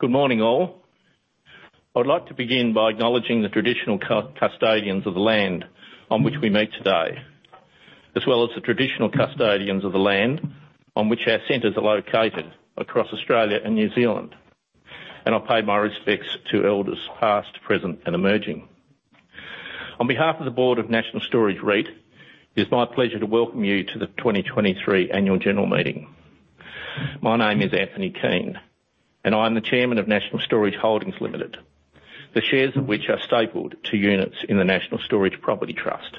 Good morning, all. I'd like to begin by acknowledging the traditional custodians of the land on which we meet today, as well as the traditional custodians of the land on which our centers are located across Australia and New Zealand, and I pay my respects to elders past, present, and emerging. On behalf of the Board of National Storage REIT, it's my pleasure to welcome you to the 2023 Annual General Meeting. My name is Anthony Keane, and I'm the Chairman of National Storage Holdings Limited, the shares of which are stapled to units in the National Storage Property Trust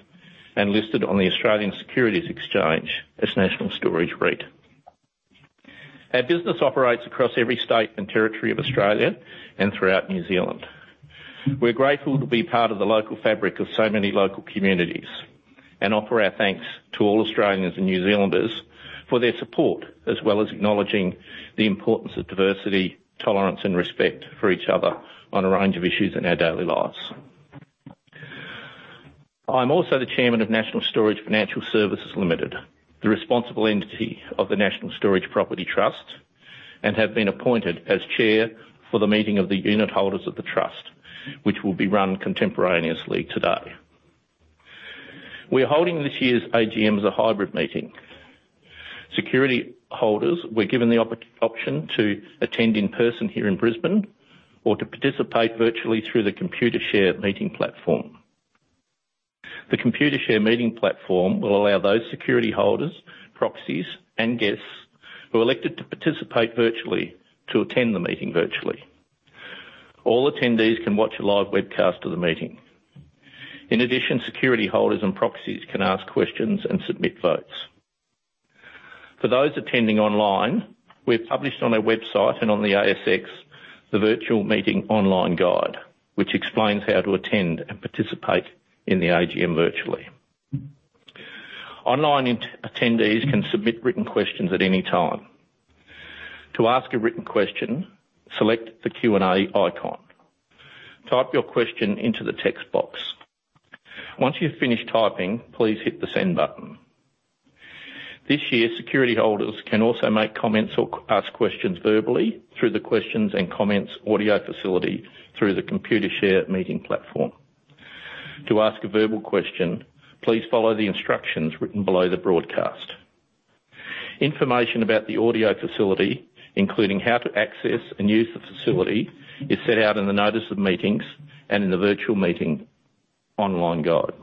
and listed on the Australian Securities Exchange as National Storage REIT. Our business operates across every state and territory of Australia and throughout New Zealand. We're grateful to be part of the local fabric of so many local communities and offer our thanks to all Australians and New Zealanders for their support, as well as acknowledging the importance of diversity, tolerance, and respect for each other on a range of issues in our daily lives. I'm also the Chairman of National Storage Financial Services Limited, the responsible entity of the National Storage Property Trust, and have been appointed as Chair for the meeting of the unit holders of the Trust, which will be run contemporaneously today. We're holding this year's AGM as a hybrid meeting. Security holders were given the option to attend in person here in Brisbane, or to participate virtually through the Computershare meeting platform. The Computershare meeting platform will allow those security holders, proxies, and guests who elected to participate virtually to attend the meeting virtually. All attendees can watch a live webcast of the meeting. In addition, security holders and proxies can ask questions and submit votes. For those attending online, we've published on our website and on the ASX, the Virtual Meeting Online Guide, which explains how to attend and participate in the AGM virtually. Online attendees can submit written questions at any time. To ask a written question, select the Q&A icon. Type your question into the text box. Once you've finished typing, please hit the Send button. This year, security holders can also make comments or ask questions verbally through the questions and comments audio facility through the Computershare meeting platform. To ask a verbal question, please follow the instructions written below the broadcast. Information about the audio facility, including how to access and use the facility, is set out in the notice of meetings and in the Virtual Meeting Online Guide.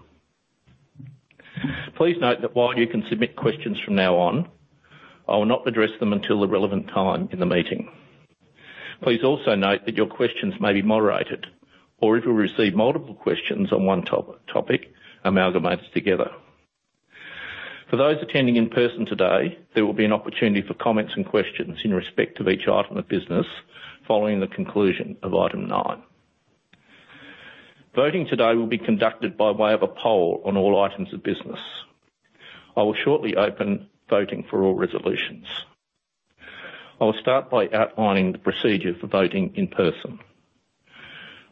Please note that while you can submit questions from now on, I will not address them until the relevant time in the meeting. Please also note that your questions may be moderated, or if we receive multiple questions on one topic, amalgamated together. For those attending in person today, there will be an opportunity for comments and questions in respect of each item of business following the conclusion of Item nine. Voting today will be conducted by way of a poll on all items of business. I will shortly open voting for all resolutions. I will start by outlining the procedure for voting in person.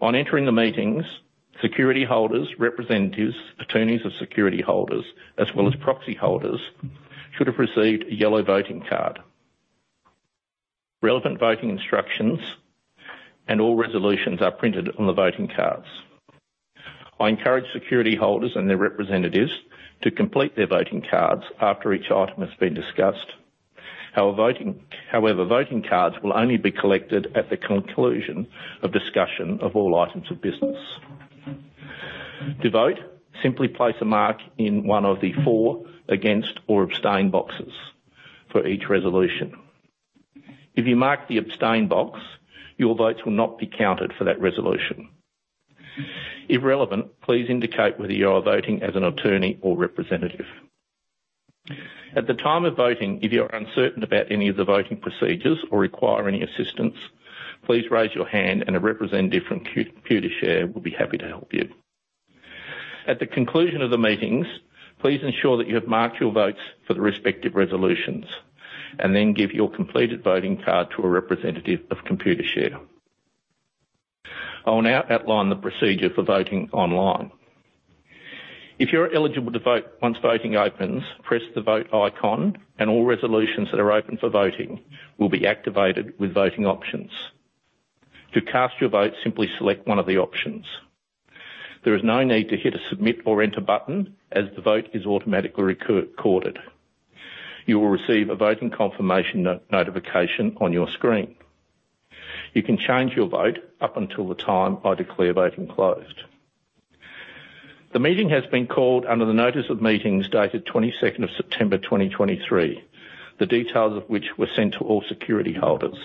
On entering the meetings, security holders, representatives, attorneys of security holders, as well as proxy holders, should have received a yellow voting card. Relevant voting instructions and all resolutions are printed on the voting cards. I encourage security holders and their representatives to complete their voting cards after each item has been discussed. However, voting cards will only be collected at the conclusion of discussion of all items of business. To vote, simply place a mark in one of the four Against or Abstain boxes for each resolution. If you mark the Abstain box, your votes will not be counted for that resolution. If relevant, please indicate whether you are voting as an attorney or representative. At the time of voting, if you are uncertain about any of the voting procedures or require any assistance, please raise your hand and a representative from Computershare will be happy to help you. At the conclusion of the meetings, please ensure that you have marked your votes for the respective resolutions, and then give your completed voting card to a representative of Computershare. I will now outline the procedure for voting online. If you're eligible to vote, once voting opens, press the Vote icon, and all resolutions that are open for voting will be activated with voting options. To cast your vote, simply select one of the options. There is no need to hit a Submit or Enter button, as the vote is automatically recorded. You will receive a voting confirmation notification on your screen. You can change your vote up until the time I declare voting closed. The meeting has been called under the Notice of Meetings dated 22nd September, 2023. The details of which were sent to all security holders.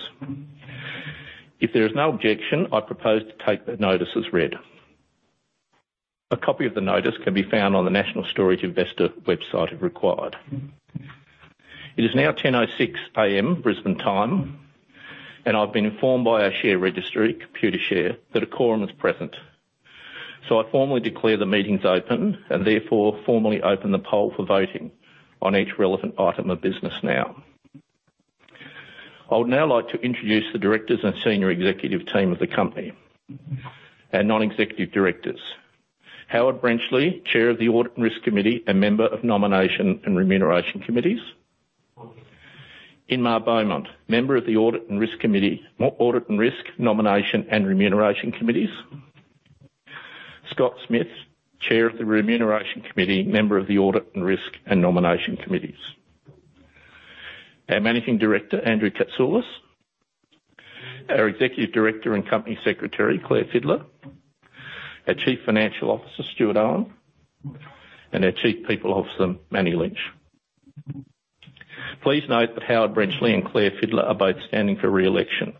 If there is no objection, I propose to take the notices read. A copy of the notice can be found on the National Storage Investor website, if required. It is now 10:06 A.M., Brisbane time, and I've been informed by our share registry, Computershare, that a quorum is present. So I formally declare the meetings open, and therefore, formally open the poll for voting on each relevant item of business now. I would now like to introduce the directors and senior executive team of the company. Our non-executive directors, Howard Brenchley, Chair of the Audit and Risk Committee, and member of Nomination and Remuneration Committees. Inma Beaumont, member of the Audit and Risk Committee, Audit and Risk, Nomination, and Remuneration Committees. Scott Smith, Chair of the Remuneration Committee, member of the Audit and Risk and Nomination Committees. Our Managing Director, Andrew Catsoulis; our Executive Director and Company Secretary, Claire Fidler; our Chief Financial Officer, Stuart Owen; and our Chief People Officer, Manny Lynch. Please note that Howard Brenchley and Claire Fidler are both standing for re-election,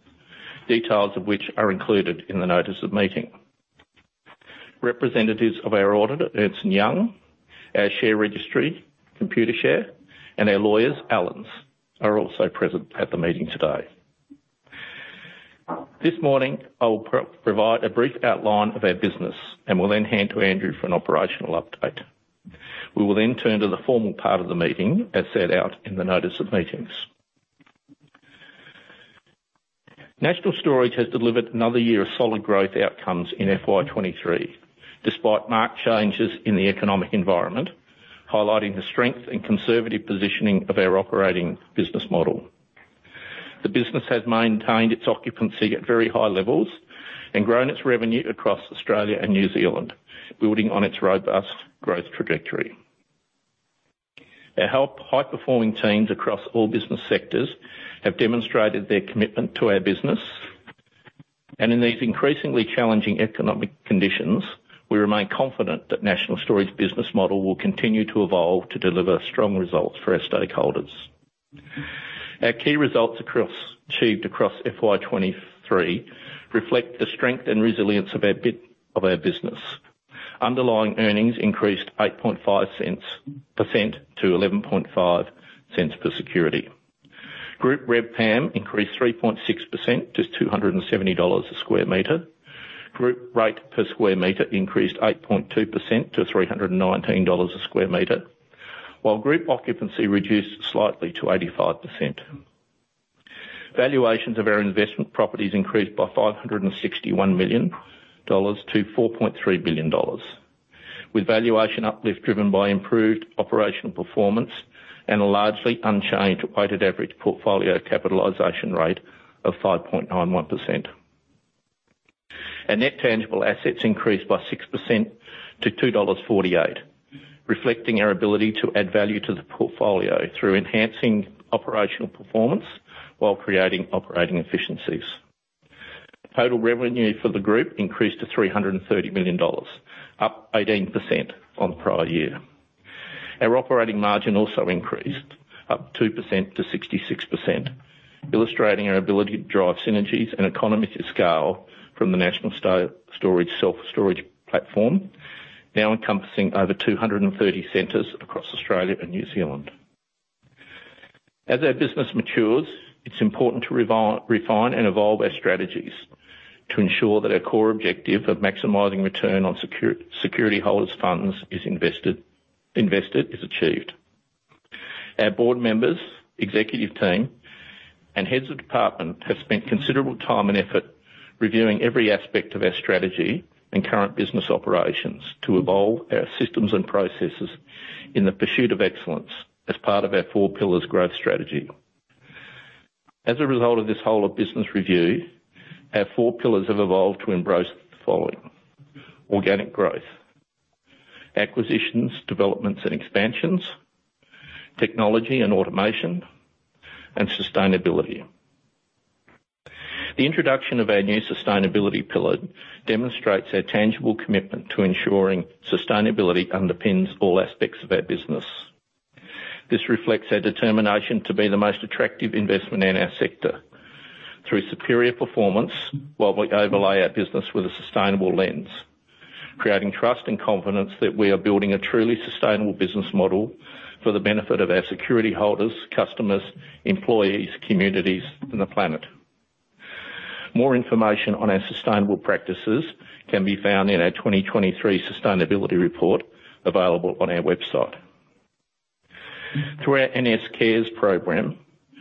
details of which are included in the notice of meeting. Representatives of our auditor, Ernst & Young, our share registry, Computershare, and our lawyers, Allens, are also present at the meeting today. This morning, I will provide a brief outline of our business, and will then hand to Andrew for an operational update. We will then turn to the formal part of the meeting, as set out in the notice of meetings. National Storage has delivered another year of solid growth outcomes in FY 2023, despite marked changes in the economic environment, highlighting the strength and conservative positioning of our operating business model. The business has maintained its occupancy at very high levels and grown its revenue across Australia and New Zealand, building on its robust growth trajectory. Our high-performing teams across all business sectors have demonstrated their commitment to our business, and in these increasingly challenging economic conditions, we remain confident that National Storage business model will continue to evolve to deliver strong results for our stakeholders. Our key results achieved across FY 2023 reflect the strength and resilience of our business. Underlying earnings increased 8.5% to 0.115 per security. Group RevPAM increased 3.6% to 270 dollars a square meter. Group rate per square meter increased 8.2% to 319 dollars a square meter, while group occupancy reduced slightly to 85%. Valuations of our investment properties increased by 561 million dollars to 4.3 billion dollars, with valuation uplift driven by improved operational performance and a largely unchanged weighted average portfolio capitalization rate of 5.91%. Our net tangible assets increased by 6% to 2.48 dollars, reflecting our ability to add value to the portfolio through enhancing operational performance while creating operating efficiencies. Total revenue for the group increased to 330 million dollars, up 18% on the prior year. Our operating margin also increased, up 2%-66%, illustrating our ability to drive synergies and economies of scale from the National Storage self-storage platform, now encompassing over 230 centers across Australia and New Zealand. As our business matures, it's important to refine and evolve our strategies to ensure that our core objective of maximizing return on security holders' funds is achieved. Our board members, executive team, and heads of department have spent considerable time and effort reviewing every aspect of our strategy and current business operations to evolve our systems and processes in the pursuit of excellence as part of our Four Pillars growth strategy. As a result of this whole of business review, our Four Pillars have evolved to embrace the following: organic growth, acquisitions, developments and expansions, technology and automation, and sustainability. The introduction of our new sustainability pillar demonstrates our tangible commitment to ensuring sustainability underpins all aspects of our business. This reflects our determination to be the most attractive investment in our sector through superior performance, while we overlay our business with a sustainable lens, creating trust and confidence that we are building a truly sustainable business model for the benefit of our security holders, customers, employees, communities, and the planet. More information on our sustainable practices can be found in our 2023 sustainability report, available on our website. Through our NS Cares program,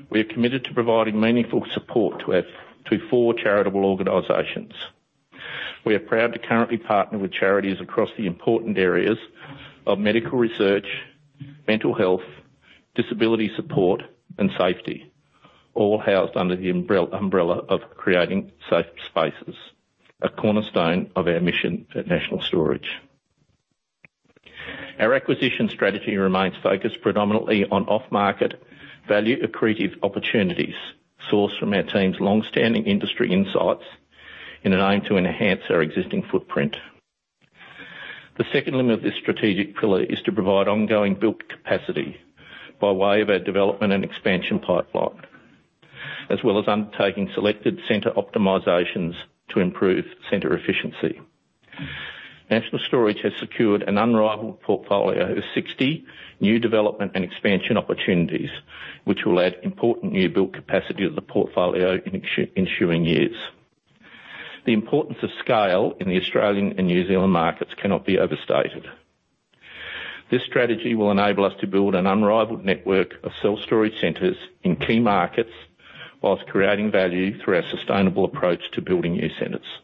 we are committed to providing meaningful support to our to four charitable organizations. We are proud to currently partner with charities across the important areas of medical research, mental health, disability support, and safety, all housed under the umbrella of creating safe spaces, a cornerstone of our mission at National Storage. Our acquisition strategy remains focused predominantly on off-market, value-accretive opportunities sourced from our team's long-standing industry insights in an aim to enhance our existing footprint. The second limb of this strategic pillar is to provide ongoing built capacity by way of our development and expansion pipeline, as well as undertaking selected center optimizations to improve center efficiency. National Storage has secured an unrivaled portfolio of 60 new development and expansion opportunities, which will add important new-built capacity to the portfolio in ensuing years. The importance of scale in the Australian and New Zealand markets cannot be overstated…. This strategy will enable us to build an unrivaled network of self-storage centers in key markets, while creating value through our sustainable approach to building new centers.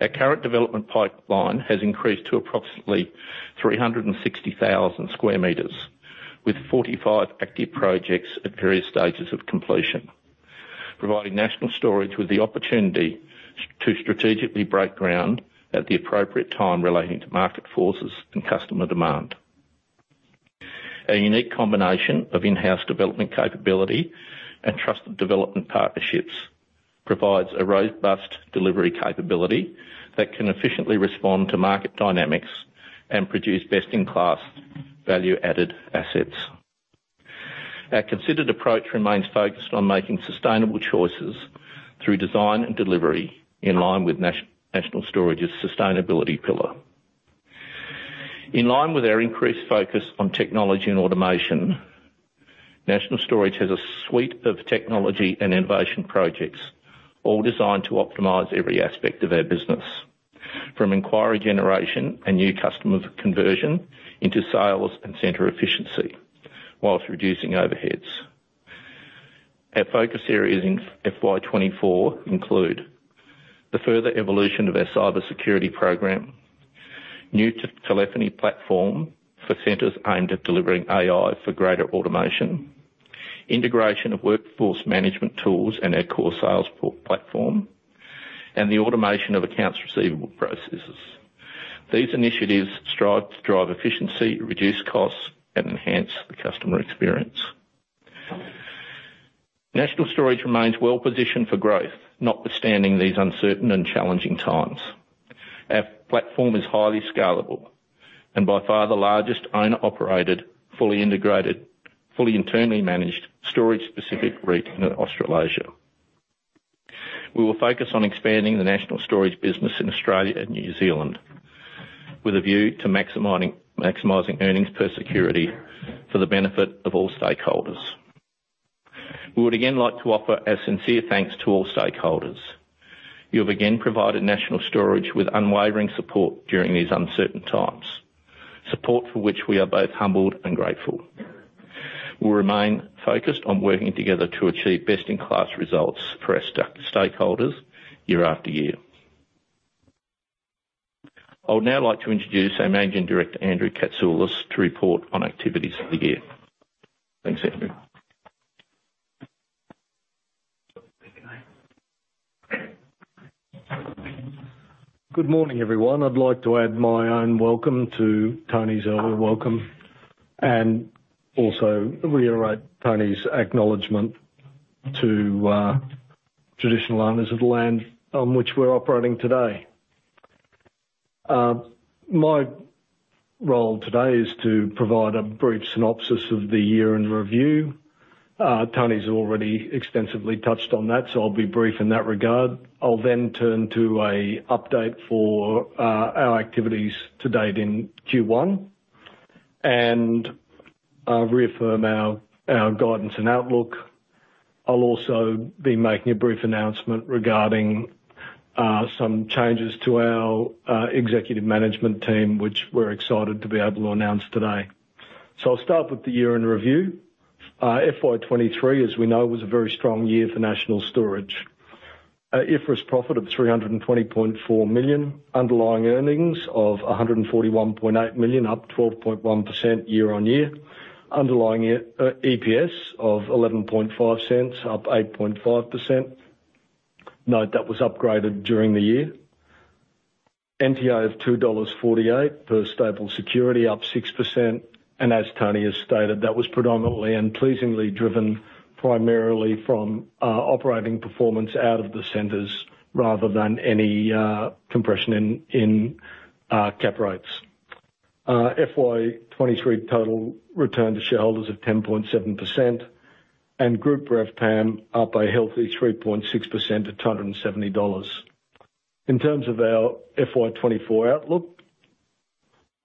Our current development pipeline has increased to approximately 360,000 square meters, with 45 active projects at various stages of completion, providing National Storage with the opportunity to strategically break ground at the appropriate time relating to market forces and customer demand. A unique combination of in-house development capability and trusted development partnerships provides a robust delivery capability that can efficiently respond to market dynamics and produce best-in-class value-added assets. Our considered approach remains focused on making sustainable choices through design and delivery, in line with National Storage's sustainability pillar. In line with our increased focus on technology and automation, National Storage has a suite of technology and innovation projects, all designed to optimize every aspect of our business, from inquiry generation and new customer conversion into sales and center efficiency, while reducing overheads. Our focus areas in FY 2024 include: the further evolution of our cybersecurity program, new telephony platform for centers aimed at delivering AI for greater automation, integration of workforce management tools and our core sales platform, and the automation of accounts receivable processes. These initiatives strive to drive efficiency, reduce costs, and enhance the customer experience. National Storage remains well-positioned for growth, notwithstanding these uncertain and challenging times. Our platform is highly scalable, and by far the largest owner-operated, fully integrated, fully internally managed storage-specific REIT in Australasia. We will focus on expanding the National Storage business in Australia and New Zealand with a view to maximizing earnings per security for the benefit of all stakeholders. We would again like to offer our sincere thanks to all stakeholders. You have again provided National Storage with unwavering support during these uncertain times, support for which we are both humbled and grateful. We'll remain focused on working together to achieve best-in-class results for our stakeholders year after year. I would now like to introduce our Managing Director, Andrew Catsoulis, to report on activities of the year. Thanks, Andrew. Good morning, everyone. I'd like to add my own welcome to Tony's earlier welcome, and also reiterate Tony's acknowledgment to traditional owners of the land on which we're operating today. My role today is to provide a brief synopsis of the year in review. Tony's already extensively touched on that, so I'll be brief in that regard. I'll then turn to an update for our activities to date in Q1, and reaffirm our, our guidance and outlook. I'll also be making a brief announcement regarding some changes to our executive management team, which we're excited to be able to announce today. So I'll start with the year in review. FY 2023, as we know, was a very strong year for National Storage. IFRS profit of 320.4 million, underlying earnings of 141.8 million, up 12.1% year-on-year. Underlying EPS of 11.5 cents, up 8.5%. Note, that was upgraded during the year. NTA of 2.48 dollars per stapled security, up 6%, and as Tony has stated, that was predominantly and pleasingly driven primarily from operating performance out of the centers, rather than any compression in Cap Rates. FY 2023 total return to shareholders of 10.7%, and group RevPAM up a healthy 3.6% to 270 dollars. In terms of our FY 2024 outlook,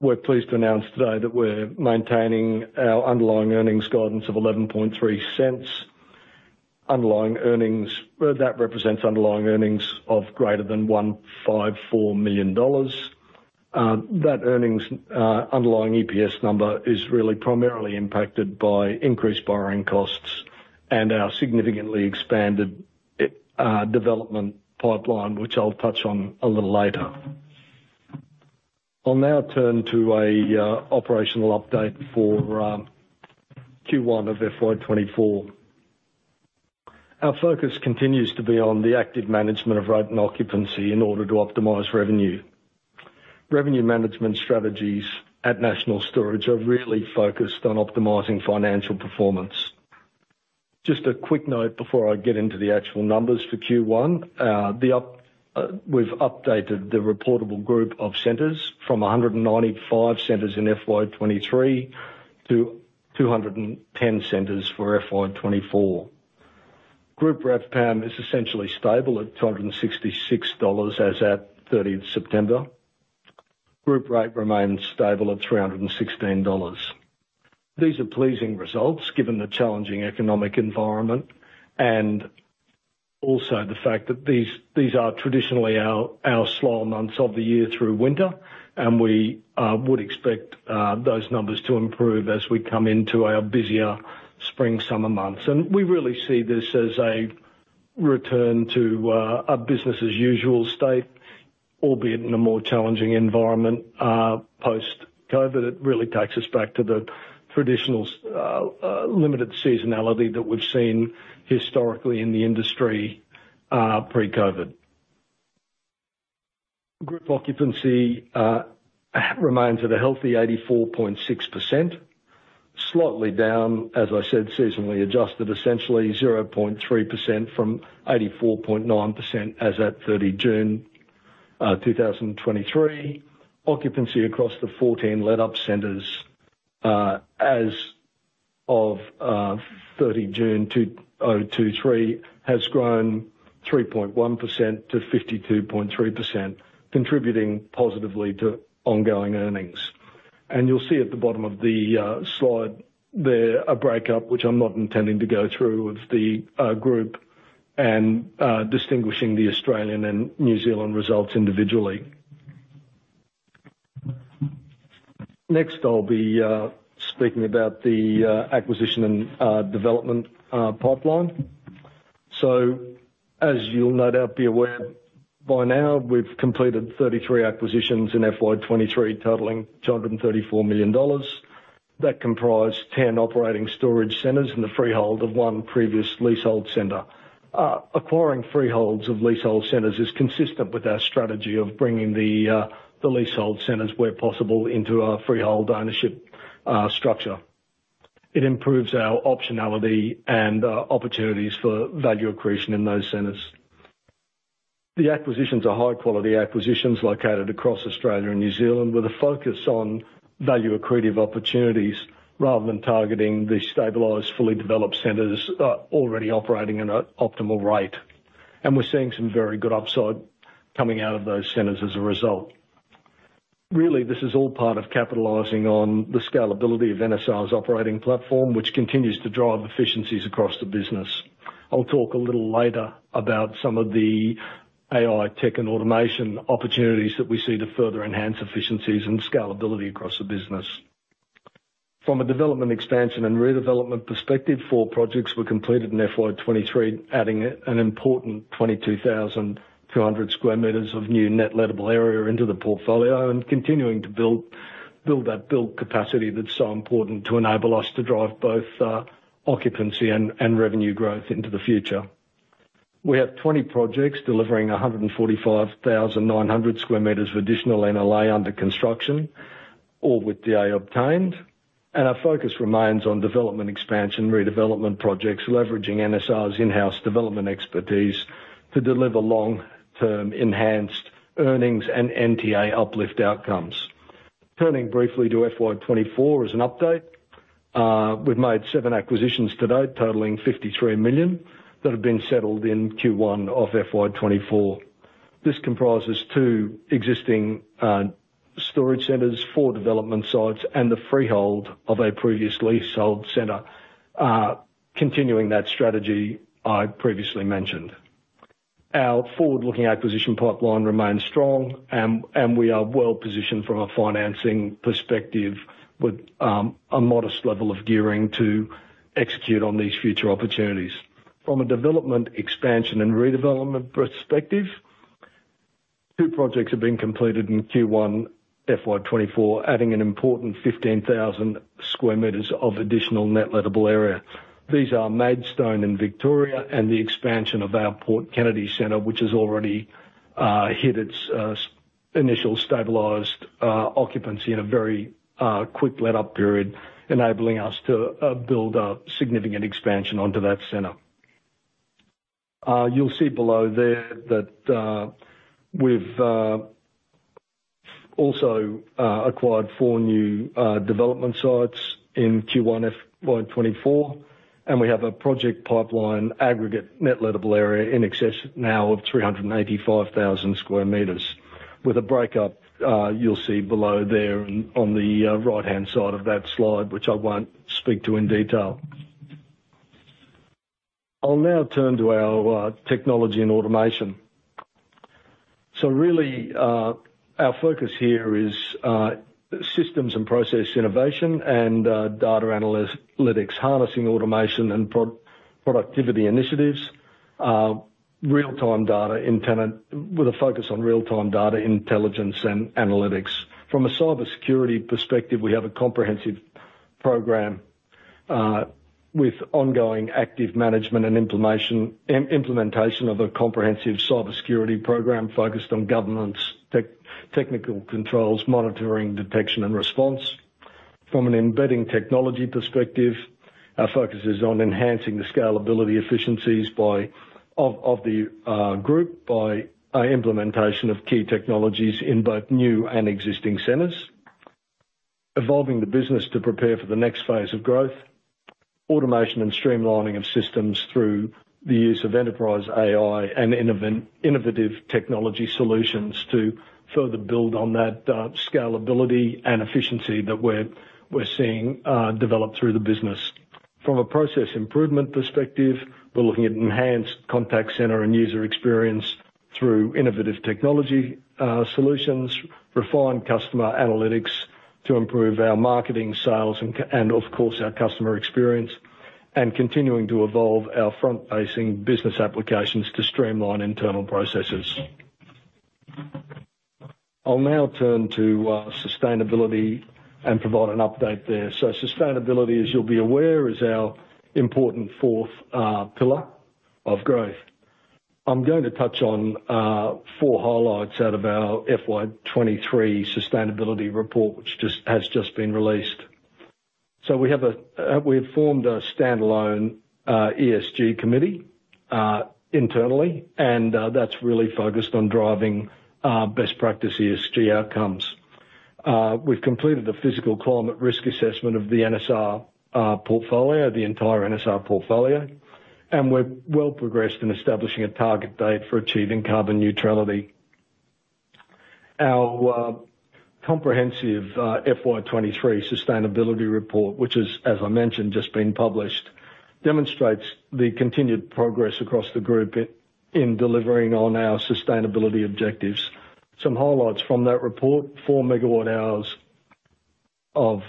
we're pleased to announce today that we're maintaining our underlying earnings guidance of 11.3 cents. Underlying earnings—Well, that represents underlying earnings of greater than 154 million dollars. That earnings, underlying EPS number is really primarily impacted by increased borrowing costs and our significantly expanded development pipeline, which I'll touch on a little later. I'll now turn to an operational update for Q1 of FY 2024. Our focus continues to be on the active management of rent and occupancy in order to optimize revenue. Revenue management strategies at National Storage are really focused on optimizing financial performance. Just a quick note before I get into the actual numbers for Q1. We've updated the reportable group of centers from 195 centers in FY 2023 to 210 centers for FY 2024. Group RevPAR is essentially stable at 266 dollars as at 30th September. Group rate remains stable at 316 dollars. These are pleasing results, given the challenging economic environment, and also the fact that these, these are traditionally our, our slower months of the year through winter, and we would expect those numbers to improve as we come into our busier spring, summer months. We really see this as a return to a business-as-usual state, albeit in a more challenging environment. Post-COVID, it really takes us back to the traditional limited seasonality that we've seen historically in the industry, pre-COVID. Group occupancy remains at a healthy 84.6%, slightly down, as I said, seasonally adjusted, essentially 0.3% from 84.9% as at 30 June 2023. Occupancy across the 14 leased-up centers, as of 30 June 2023, has grown 3.1%-52.3%, contributing positively to ongoing earnings. You'll see at the bottom of the slide there, a breakdown, which I'm not intending to go through, of the group and distinguishing the Australian and New Zealand results individually. Next, I'll be speaking about the acquisition and development pipeline. So as you'll no doubt be aware, by now, we've completed 33 acquisitions in FY 2023, totaling AUD 234 million. That comprise 10 operating storage centers in the freehold of one previous leasehold center. Acquiring freeholds of leasehold centers is consistent with our strategy of bringing the leasehold centers, where possible, into our freehold ownership structure. It improves our optionality and opportunities for value accretion in those centers. The acquisitions are high-quality acquisitions located across Australia and New Zealand, with a focus on value accretive opportunities, rather than targeting the stabilized, fully developed centers already operating at an optimal rate. And we're seeing some very good upside coming out of those centers as a result. Really, this is all part of capitalizing on the scalability of NSR's operating platform, which continues to drive efficiencies across the business. I'll talk a little later about some of the AI tech and automation opportunities that we see to further enhance efficiencies and scalability across the business. From a development, expansion, and redevelopment perspective, four projects were completed in FY 2023, adding an important 22,200 square meters of new net lettable area into the portfolio, and continuing to build that build capacity that's so important to enable us to drive both occupancy and revenue growth into the future. We have 20 projects delivering 145,900 square meters of additional NLA under construction, all with DA obtained. Our focus remains on development, expansion, redevelopment projects, leveraging NSR's in-house development expertise to deliver long-term enhanced earnings and NTA uplift outcomes. Turning briefly to FY 2024 as an update, we've made seven acquisitions to date, totaling 53 million, that have been settled in Q1 of FY 2024. This comprises two existing storage centers, four development sites, and the freehold of a previously sold center, continuing that strategy I previously mentioned. Our forward-looking acquisition pipeline remains strong, and we are well-positioned from a financing perspective, with a modest level of gearing to execute on these future opportunities. From a development, expansion, and redevelopment perspective, two projects have been completed in Q1 FY 2024, adding an important 15,000 square meters of additional net lettable area. These are Maidstone in Victoria and the expansion of our Port Kennedy Centre, which has already hit its initial stabilized occupancy in a very quick let-up period, enabling us to build a significant expansion onto that center. You'll see below there that we've also acquired four new development sites in Q1 FY2024, and we have a project pipeline aggregate net lettable area in excess now of 385,000 square meters, with a breakup, you'll see below there on the right-hand side of that slide, which I won't speak to in detail. I'll now turn to our technology and automation. So really, our focus here is systems and process innovation and data analytics, harnessing automation and pro-productivity initiatives, real-time data in tenant with a focus on real-time data intelligence and analytics. From a cybersecurity perspective, we have a comprehensive program with ongoing active management and information implementation of a comprehensive cybersecurity program focused on governance, technical controls, monitoring, detection, and response. From an embedding technology perspective, our focus is on enhancing the scalability efficiencies by implementation of key technologies in both new and existing centers, evolving the business to prepare for the next phase of growth. Automation and streamlining of systems through the use of enterprise AI and innovative technology solutions to further build on that scalability and efficiency that we're seeing develop through the business. From a process improvement perspective, we're looking at enhanced contact center and user experience through innovative technology solutions, refined customer analytics to improve our marketing, sales, and customer, and of course, our customer experience, and continuing to evolve our front-facing business applications to streamline internal processes. I'll now turn to sustainability and provide an update there. So sustainability, as you'll be aware, is our important fourth pillar of growth. I'm going to touch on four highlights out of our FY 2023 sustainability report, which has just been released. So we have formed a standalone ESG committee internally, and that's really focused on driving best practice ESG outcomes. We've completed a physical climate risk assessment of the NSR portfolio, the entire NSR portfolio, and we're well progressed in establishing a target date for achieving carbon neutrality. Our comprehensive FY 2023 sustainability report, which is, as I mentioned, just been published, demonstrates the continued progress across the group in delivering on our sustainability objectives. Some highlights from that report, 4 MWh of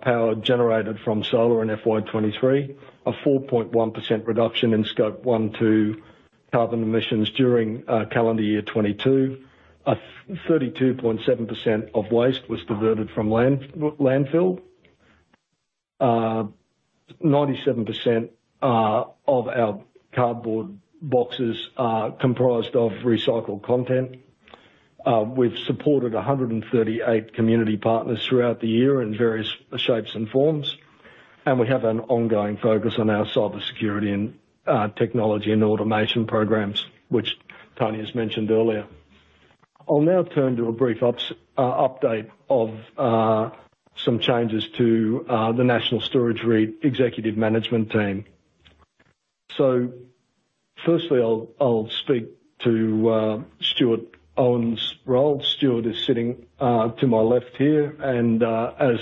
power generated from solar in FY 2023, a 4.1% reduction in Scope 1 and 2 carbon emissions during calendar year 2022. 32.7% of waste was diverted from landfill. 97% of our cardboard boxes are comprised of recycled content. We've supported 138 community partners throughout the year in various shapes and forms, and we have an ongoing focus on our cybersecurity and technology and automation programs, which Tony has mentioned earlier. I'll now turn to a brief update of some changes to the National Storage REIT executive management team. So firstly, I'll speak to Stuart Owen's role. Stuart is sitting to my left here, and as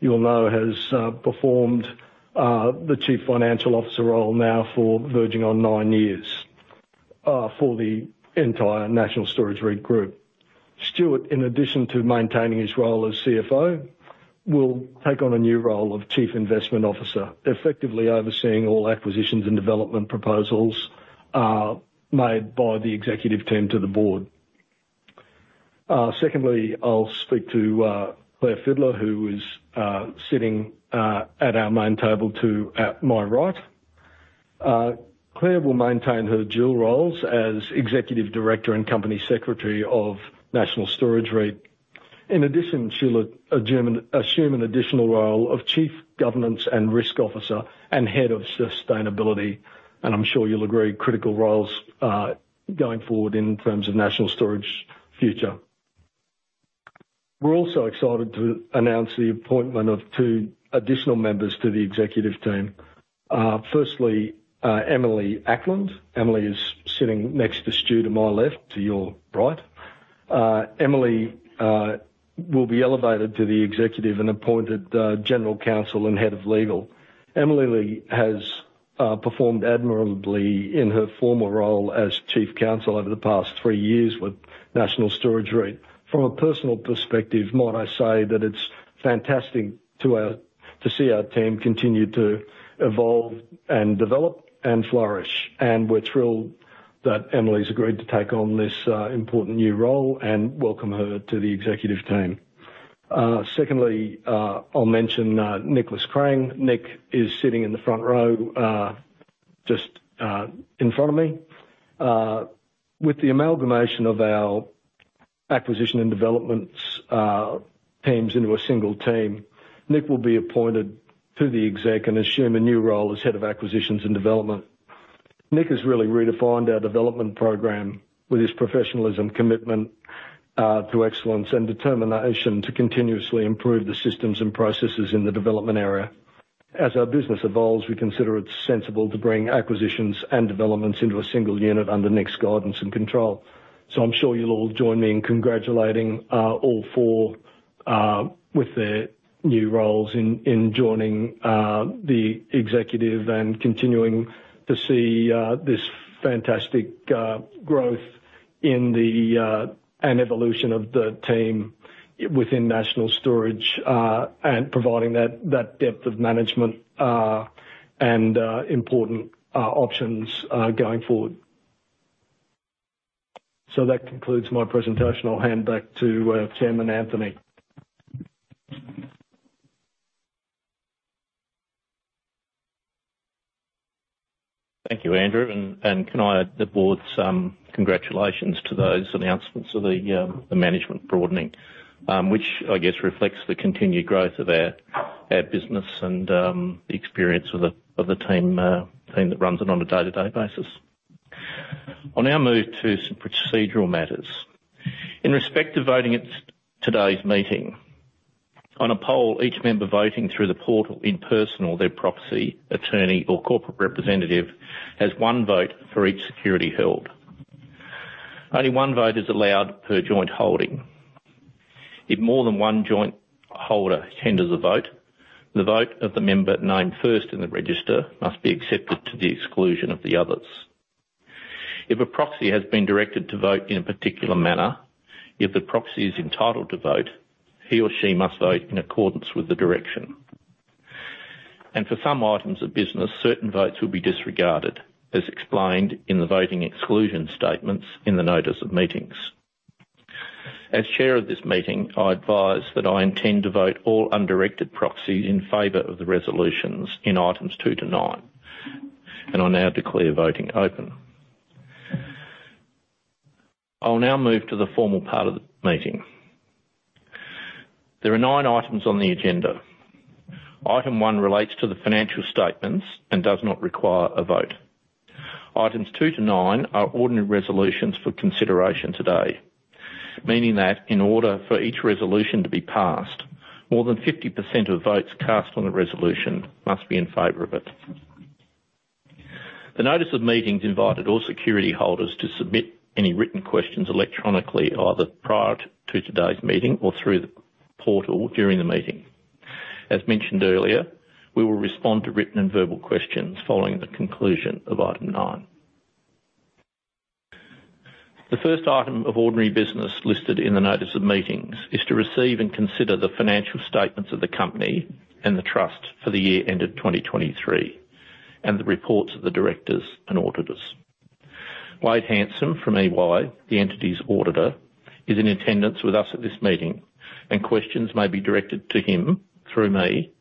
you'll know, has performed the Chief Financial Officer role now for verging on 9 years for the entire National Storage REIT group. Stuart, in addition to maintaining his role as CFO, will take on a new role of Chief Investment Officer, effectively overseeing all acquisitions and development proposals made by the executive team to the board. Secondly, I'll speak to Claire Fidler, who is sitting at our main table to my right. Claire will maintain her dual roles as Executive Director and Company Secretary of National Storage REIT. In addition, she'll assume an additional role of Chief Governance and Risk Officer and Head of Sustainability, and I'm sure you'll agree, critical roles going forward in terms of National Storage future. We're also excited to announce the appointment of two additional members to the executive team. Firstly, Emily Ackland. Emily is sitting next to Stu, to my left, to your right. Emily will be elevated to the executive and appointed general counsel and head of legal. Emily has performed admirably in her former role as chief counsel over the past three years with National Storage REIT. From a personal perspective, might I say that it's fantastic to see our team continue to evolve and develop and flourish, and we're thrilled that Emily's agreed to take on this important new role and welcome her to the executive team. Secondly, I'll mention Nicholas Crang. Nick is sitting in the front row just in front of me. With the amalgamation of our acquisition and developments teams into a single team, Nick will be appointed to the exec and assume a new role as head of acquisitions and development. Nick has really redefined our development program with his professionalism, commitment to excellence and determination to continuously improve the systems and processes in the development area. As our business evolves, we consider it sensible to bring acquisitions and developments into a single unit under Nick's guidance and control. So I'm sure you'll all join me in congratulating all four with their new roles in joining the executive and continuing to see this fantastic growth in the and evolution of the team within National Storage and providing that depth of management and important options going forward. So that concludes my presentation. I'll hand back to Chairman Anthony. Thank you, Andrew, and can I add the board's congratulations to those announcements of the management broadening, which I guess reflects the continued growth of our business and the experience of the team that runs it on a day-to-day basis? I'll now move to some procedural matters. In respect to voting at today's meeting, on a poll, each member voting through the portal in person or their proxy, attorney, or corporate representative, has one vote for each security held. Only one vote is allowed per joint holding. If more than one joint holder tenders a vote, the vote of the member named first in the register must be accepted to the exclusion of the others. If a proxy has been directed to vote in a particular manner, if the proxy is entitled to vote, he or she must vote in accordance with the direction. And for some items of business, certain votes will be disregarded, as explained in the voting exclusion statements in the notice of meetings. As Chair of this meeting, I advise that I intend to vote all undirected proxies in favor of the resolutions in items two to nine, and I now declare voting open. I will now move to the formal part of the meeting. There are nine items on the agenda. Item one relates to the financial statements and does not require a vote. Items two to nine are ordinary resolutions for consideration today, meaning that in order for each resolution to be passed, more than 50% of votes cast on the resolution must be in favor of it. The notice of meetings invited all security holders to submit any written questions electronically, either prior to today's meeting or through the portal during the meeting. As mentioned earlier, we will respond to written and verbal questions following the conclusion of item nine. The first item of ordinary business listed in the notice of meetings is to receive and consider the financial statements of the company and the trust for the year ended 2023, and the reports of the directors and auditors. Wade Hansen from EY, the entity's auditor, is in attendance with us at this meeting, and questions may be directed to him through me,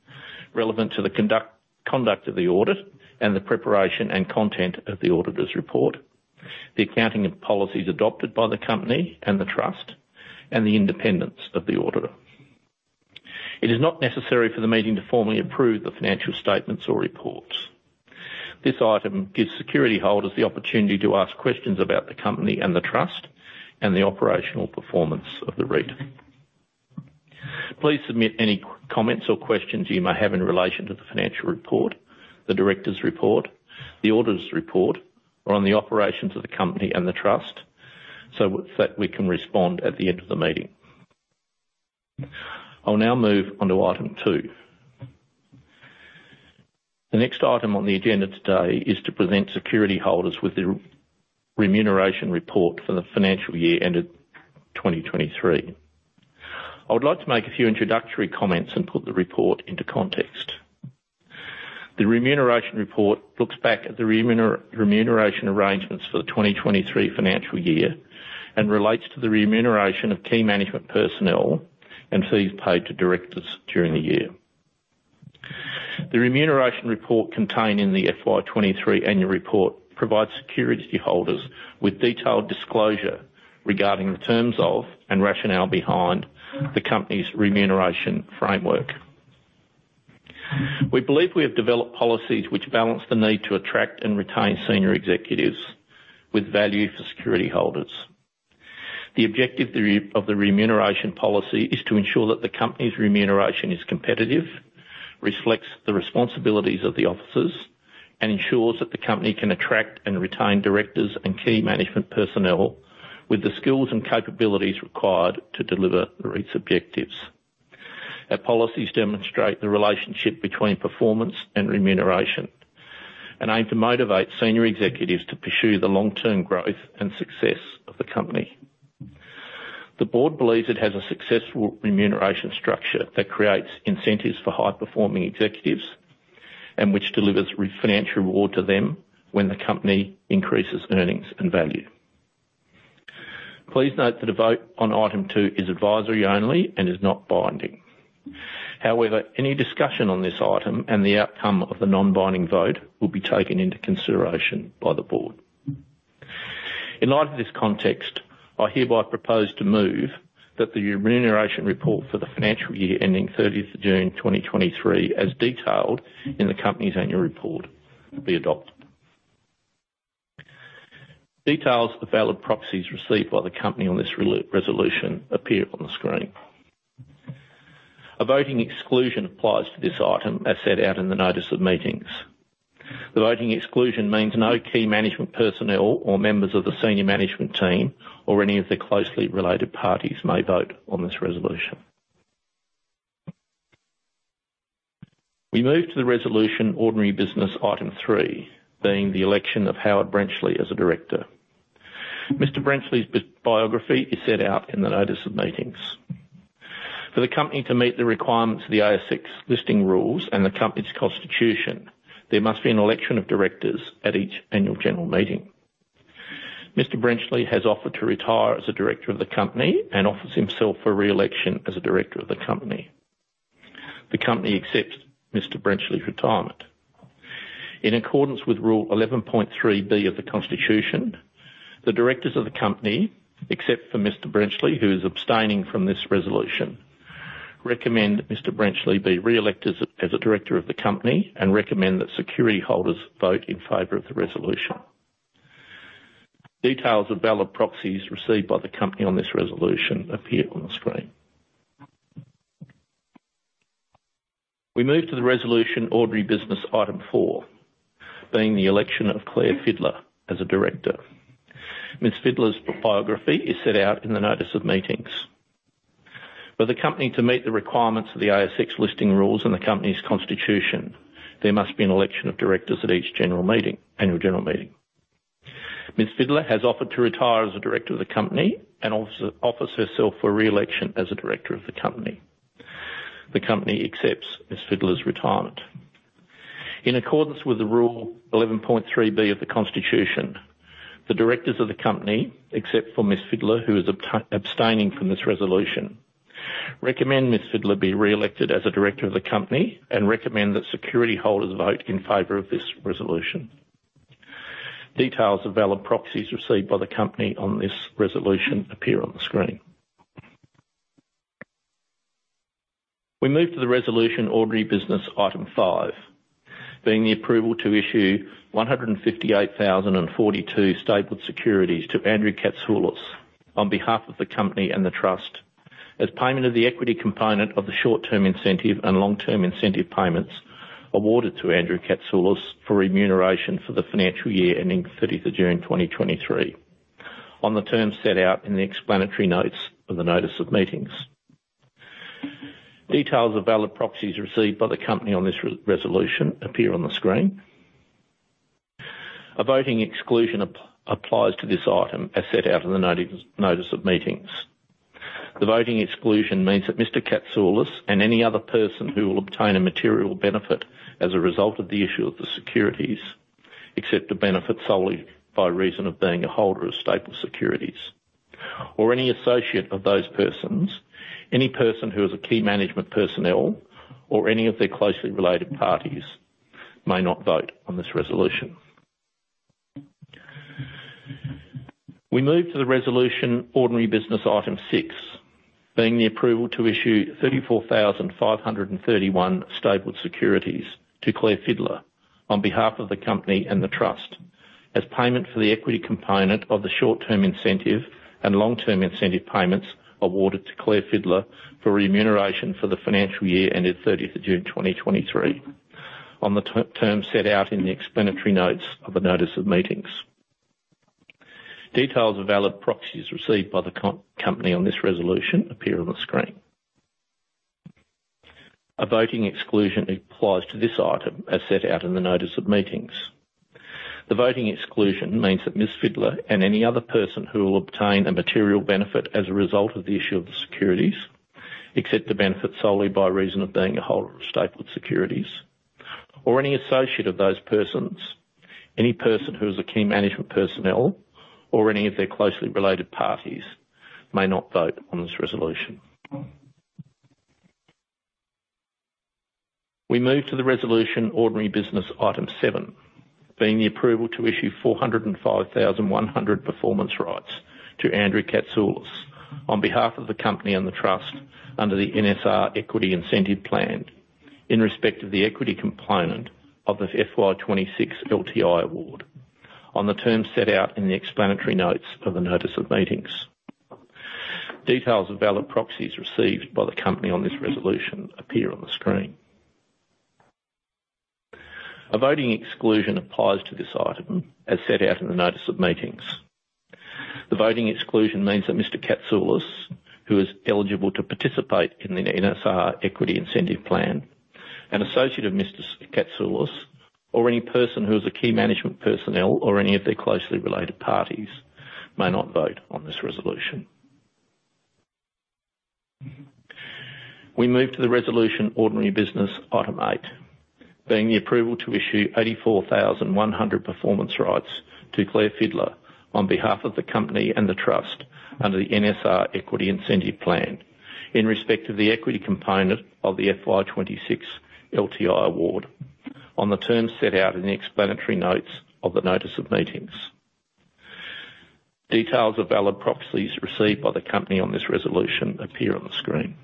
relevant to the conduct of the audit and the preparation and content of the auditor's report, the accounting of policies adopted by the company and the trust, and the independence of the auditor. It is not necessary for the meeting to formally approve the financial statements or reports. This item gives security holders the opportunity to ask questions about the company and the trust and the operational performance of the REIT. Please submit any comments or questions you may have in relation to the financial report, the director's report, the auditor's report, or on the operations of the company and the trust, so that we can respond at the end of the meeting. I'll now move on to item two. The next item on the agenda today is to present security holders with the remuneration report for the financial year ended 2023. I would like to make a few introductory comments and put the report into context. The remuneration report looks back at the remuneration arrangements for the 2023 financial year and relates to the remuneration of key management personnel and fees paid to directors during the year. The remuneration report contained in the FY 2023 annual report provides security holders with detailed disclosure regarding the terms of and rationale behind the company's remuneration framework. We believe we have developed policies which balance the need to attract and retain senior executives with value for security holders. The objective of the remuneration policy is to ensure that the company's remuneration is competitive, reflects the responsibilities of the officers, and ensures that the company can attract and retain directors and key management personnel with the skills and capabilities required to deliver the REIT's objectives. Our policies demonstrate the relationship between performance and remuneration and aim to motivate senior executives to pursue the long-term growth and success of the company. The board believes it has a successful remuneration structure that creates incentives for high-performing executives and which delivers financial reward to them when the company increases earnings and value. Please note that a vote on item two is advisory only and is not binding. However, any discussion on this item and the outcome of the non-binding vote will be taken into consideration by the board. In light of this context, I hereby propose to move that the remuneration report for the financial year ending 30th of June 2023, as detailed in the company's annual report, be adopted. Details of the valid proxies received by the company on this resolution appear on the screen. A voting exclusion applies to this item, as set out in the notice of meetings. The voting exclusion means no key management personnel, or members of the senior management team, or any of their closely related parties may vote on this resolution. We move to the resolution ordinary business item three, being the election of Howard Brenchley as a director. Mr. Brenchley's biography is set out in the notice of meetings. For the company to meet the requirements of the ASX listing rules and the company's constitution, there must be an election of directors at each annual general meeting. Mr. Brenchley has offered to retire as a director of the company and offers himself for re-election as a director of the company. The company accepts Mr. Brenchley's retirement. In accordance with Rule 11.3B of the Constitution, the directors of the company, except for Mr. Brenchley, who is abstaining from this resolution recommend that Mr. Brenchley be reelected as a director of the company, and recommend that security holders vote in favor of the resolution. Details of valid proxies received by the company on this resolution appear on the screen. We move to the resolution ordinary business item four, being the election of Claire Fidler as a director. Ms. Fidler's biography is set out in the notice of meetings. For the company to meet the requirements of the ASX listing rules and the company's constitution, there must be an election of directors at each general meeting, annual general meeting. Ms. Fidler has offered to retire as a director of the company and also offers herself for re-election as a director of the company. The company accepts Ms. Fidler's retirement. In accordance with Rule 11.3B of the Constitution, the directors of the company, except for Ms. Fidler, who is abstaining from this resolution, recommend Ms. Fidler be re-elected as a director of the company and recommend that security holders vote in favor of this resolution. Details of valid proxies received by the company on this resolution appear on the screen. We move to the resolution ordinary business item five, being the approval to issue 158,042 stapled securities to Andrew Catsoulis on behalf of the company and the trust, as payment of the equity component of the short-term incentive and long-term incentive payments awarded to Andrew Catsoulis for remuneration for the financial year ending 30th of June 2023, on the terms set out in the explanatory notes of the notice of meetings. Details of valid proxies received by the company on this resolution appear on the screen. A voting exclusion applies to this item, as set out in the notice of meeting. The voting exclusion means that Mr. Catsoulis and any other person who will obtain a material benefit as a result of the issue of the securities, except the benefit solely by reason of being a holder of stapled securities, or any associate of those persons, any person who is a key management personnel, or any of their closely related parties, may not vote on this resolution. We move to the resolution ordinary business item six, being the approval to issue 34,531 stapled securities to Claire Fidler on behalf of the company and the trust, as payment for the equity component of the short-term incentive and long-term incentive payments awarded to Claire Fidler for remuneration for the financial year ended 30th June 2023, on the terms set out in the explanatory notes of the notice of meetings. Details of valid proxies received by the company on this resolution appear on the screen. A voting exclusion applies to this item, as set out in the notice of meetings. The voting exclusion means that Ms. Fidler and any other person who will obtain a material benefit as a result of the issue of the securities, except the benefit solely by reason of being a holder of stapled securities, or any associate of those persons, any person who is a key management personnel, or any of their closely related parties, may not vote on this resolution. We move to the resolution ordinary business item seven, being the approval to issue 405,100 performance rights to Andrew Catsoulis on behalf of the company and the trust under the NSR Equity Incentive Plan, in respect of the equity component of the FY 2026 LTI award, on the terms set out in the explanatory notes of the notice of meetings. Details of valid proxies received by the company on this resolution appear on the screen. A voting exclusion applies to this item, as set out in the notice of meetings. The voting exclusion means that Mr. Catsoulis, who is eligible to participate in the NSR Equity Incentive Plan, an associate of Mr. Catsoulis, or any person who is a key management personnel, or any of their closely related parties, may not vote on this resolution. We move to the resolution ordinary business item eight, being the approval to issue 84,100 performance rights to Claire Fidler on behalf of the company and the trust under the NSR Equity Incentive Plan, in respect of the equity component of the FY 2026 LTI award, on the terms set out in the explanatory notes of the notice of meetings. Details of valid proxies received by the company on this resolution appear on the screen.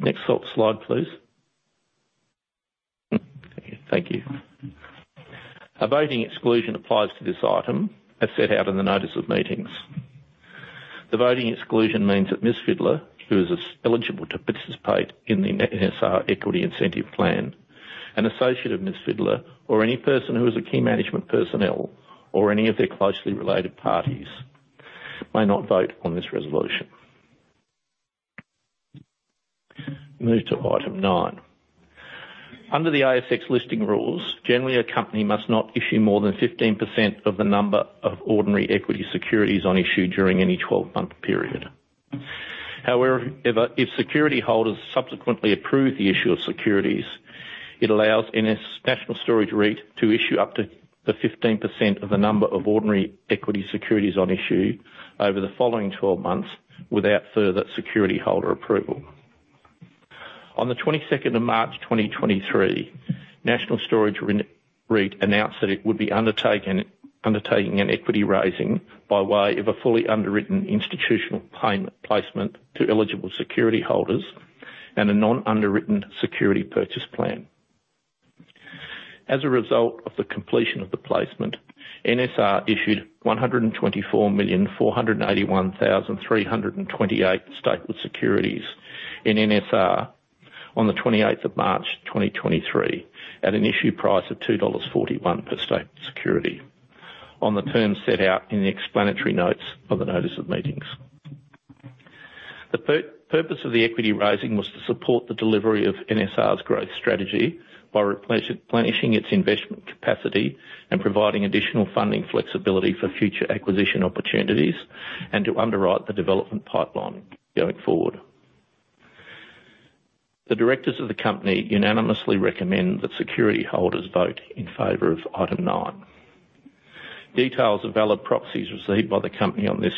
Next slide, please. Thank you. A voting exclusion applies to this item, as set out in the notice of meetings. The voting exclusion means that Ms. Fidler, who is eligible to participate in the NSR Equity Incentive Plan, an associate of Ms. Fidler, or any person who is a key management personnel, or any of their closely related parties, may not vote on this resolution. Move to item nine. Under the ASX listing rules, generally, a company must not issue more than 15% of the number of ordinary equity securities on issue during any 12-month period. However, if security holders subsequently approve the issue of securities, it allows National Storage REIT to issue up to the 15% of the number of ordinary equity securities on issue over the following twelve months without further security holder approval. On the 22nd March, 2023, National Storage REIT announced that it would be undertaking an equity raising by way of a fully underwritten institutional placement to eligible security holders and a non-underwritten security purchase plan. As a result of the completion of the placement, NSR issued 124,481,328 stapled securities in NSR on the 28th March, 2023, at an issue price of 2.41 dollars per stapled security, on the terms set out in the explanatory notes of the notice of meetings. The purpose of the equity raising was to support the delivery of NSR's growth strategy by replenishing its investment capacity and providing additional funding flexibility for future acquisition opportunities and to underwrite the development pipeline going forward. The directors of the company unanimously recommend that security holders vote in favor of item nine. Details of valid proxies received by the company on this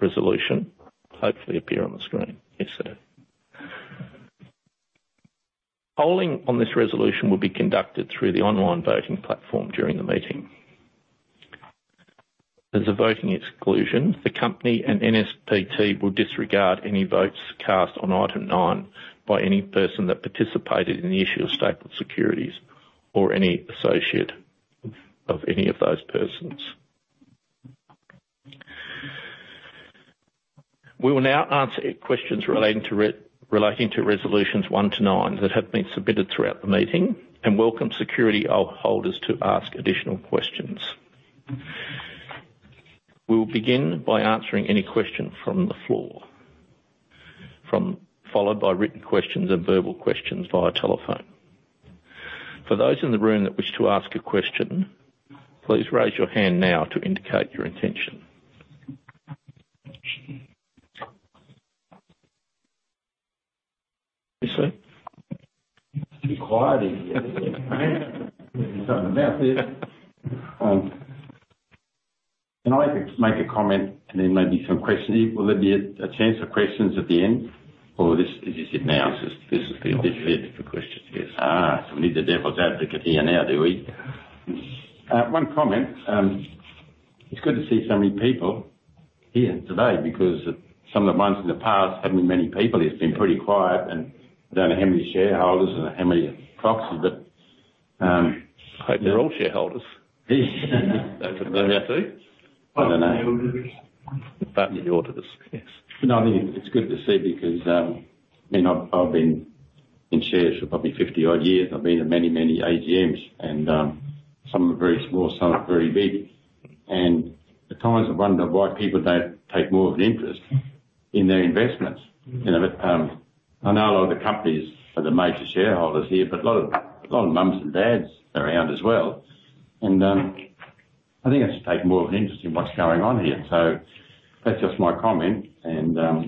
resolution hopefully appear on the screen. Yes, sir. Polling on this resolution will be conducted through the online voting platform during the meeting. As a voting exclusion, the company and NSPT will disregard any votes cast on item nine by any person that participated in the issue of stapled securities or any associate of any of those persons. We will now answer questions relating to resolutions one to nine that have been submitted throughout the meeting and welcome security holders to ask additional questions. We will begin by answering any question from the floor, followed by written questions and verbal questions via telephone. For those in the room that wish to ask a question, please raise your hand now to indicate your intention. Yes, sir. It's quiet in here. Can I just make a comment and then maybe some questions? Will there be a chance for questions at the end, or this, is this it now? This is the only chance for questions, yes. Ah, so we need the devil's advocate here now, do we? One comment, it's good to see so many people here today because some of the ones in the past haven't been many people. It's been pretty quiet, and I don't know how many shareholders and how many proxies, but. Hope they're all shareholders. Yeah, too. I don't know. But the auditors, yes. No, it's good to see because, I mean, I've been in shares for probably 50 odd years. I've been to many, many AGMs, and some are very small, some are very big. And at times I wonder why people don't take more of an interest in their investments. You know, but I know a lot of the companies are the major shareholders here, but a lot of, a lot of mums and dads around as well. And I think they should take more of an interest in what's going on here. So that's just my comment, and I'll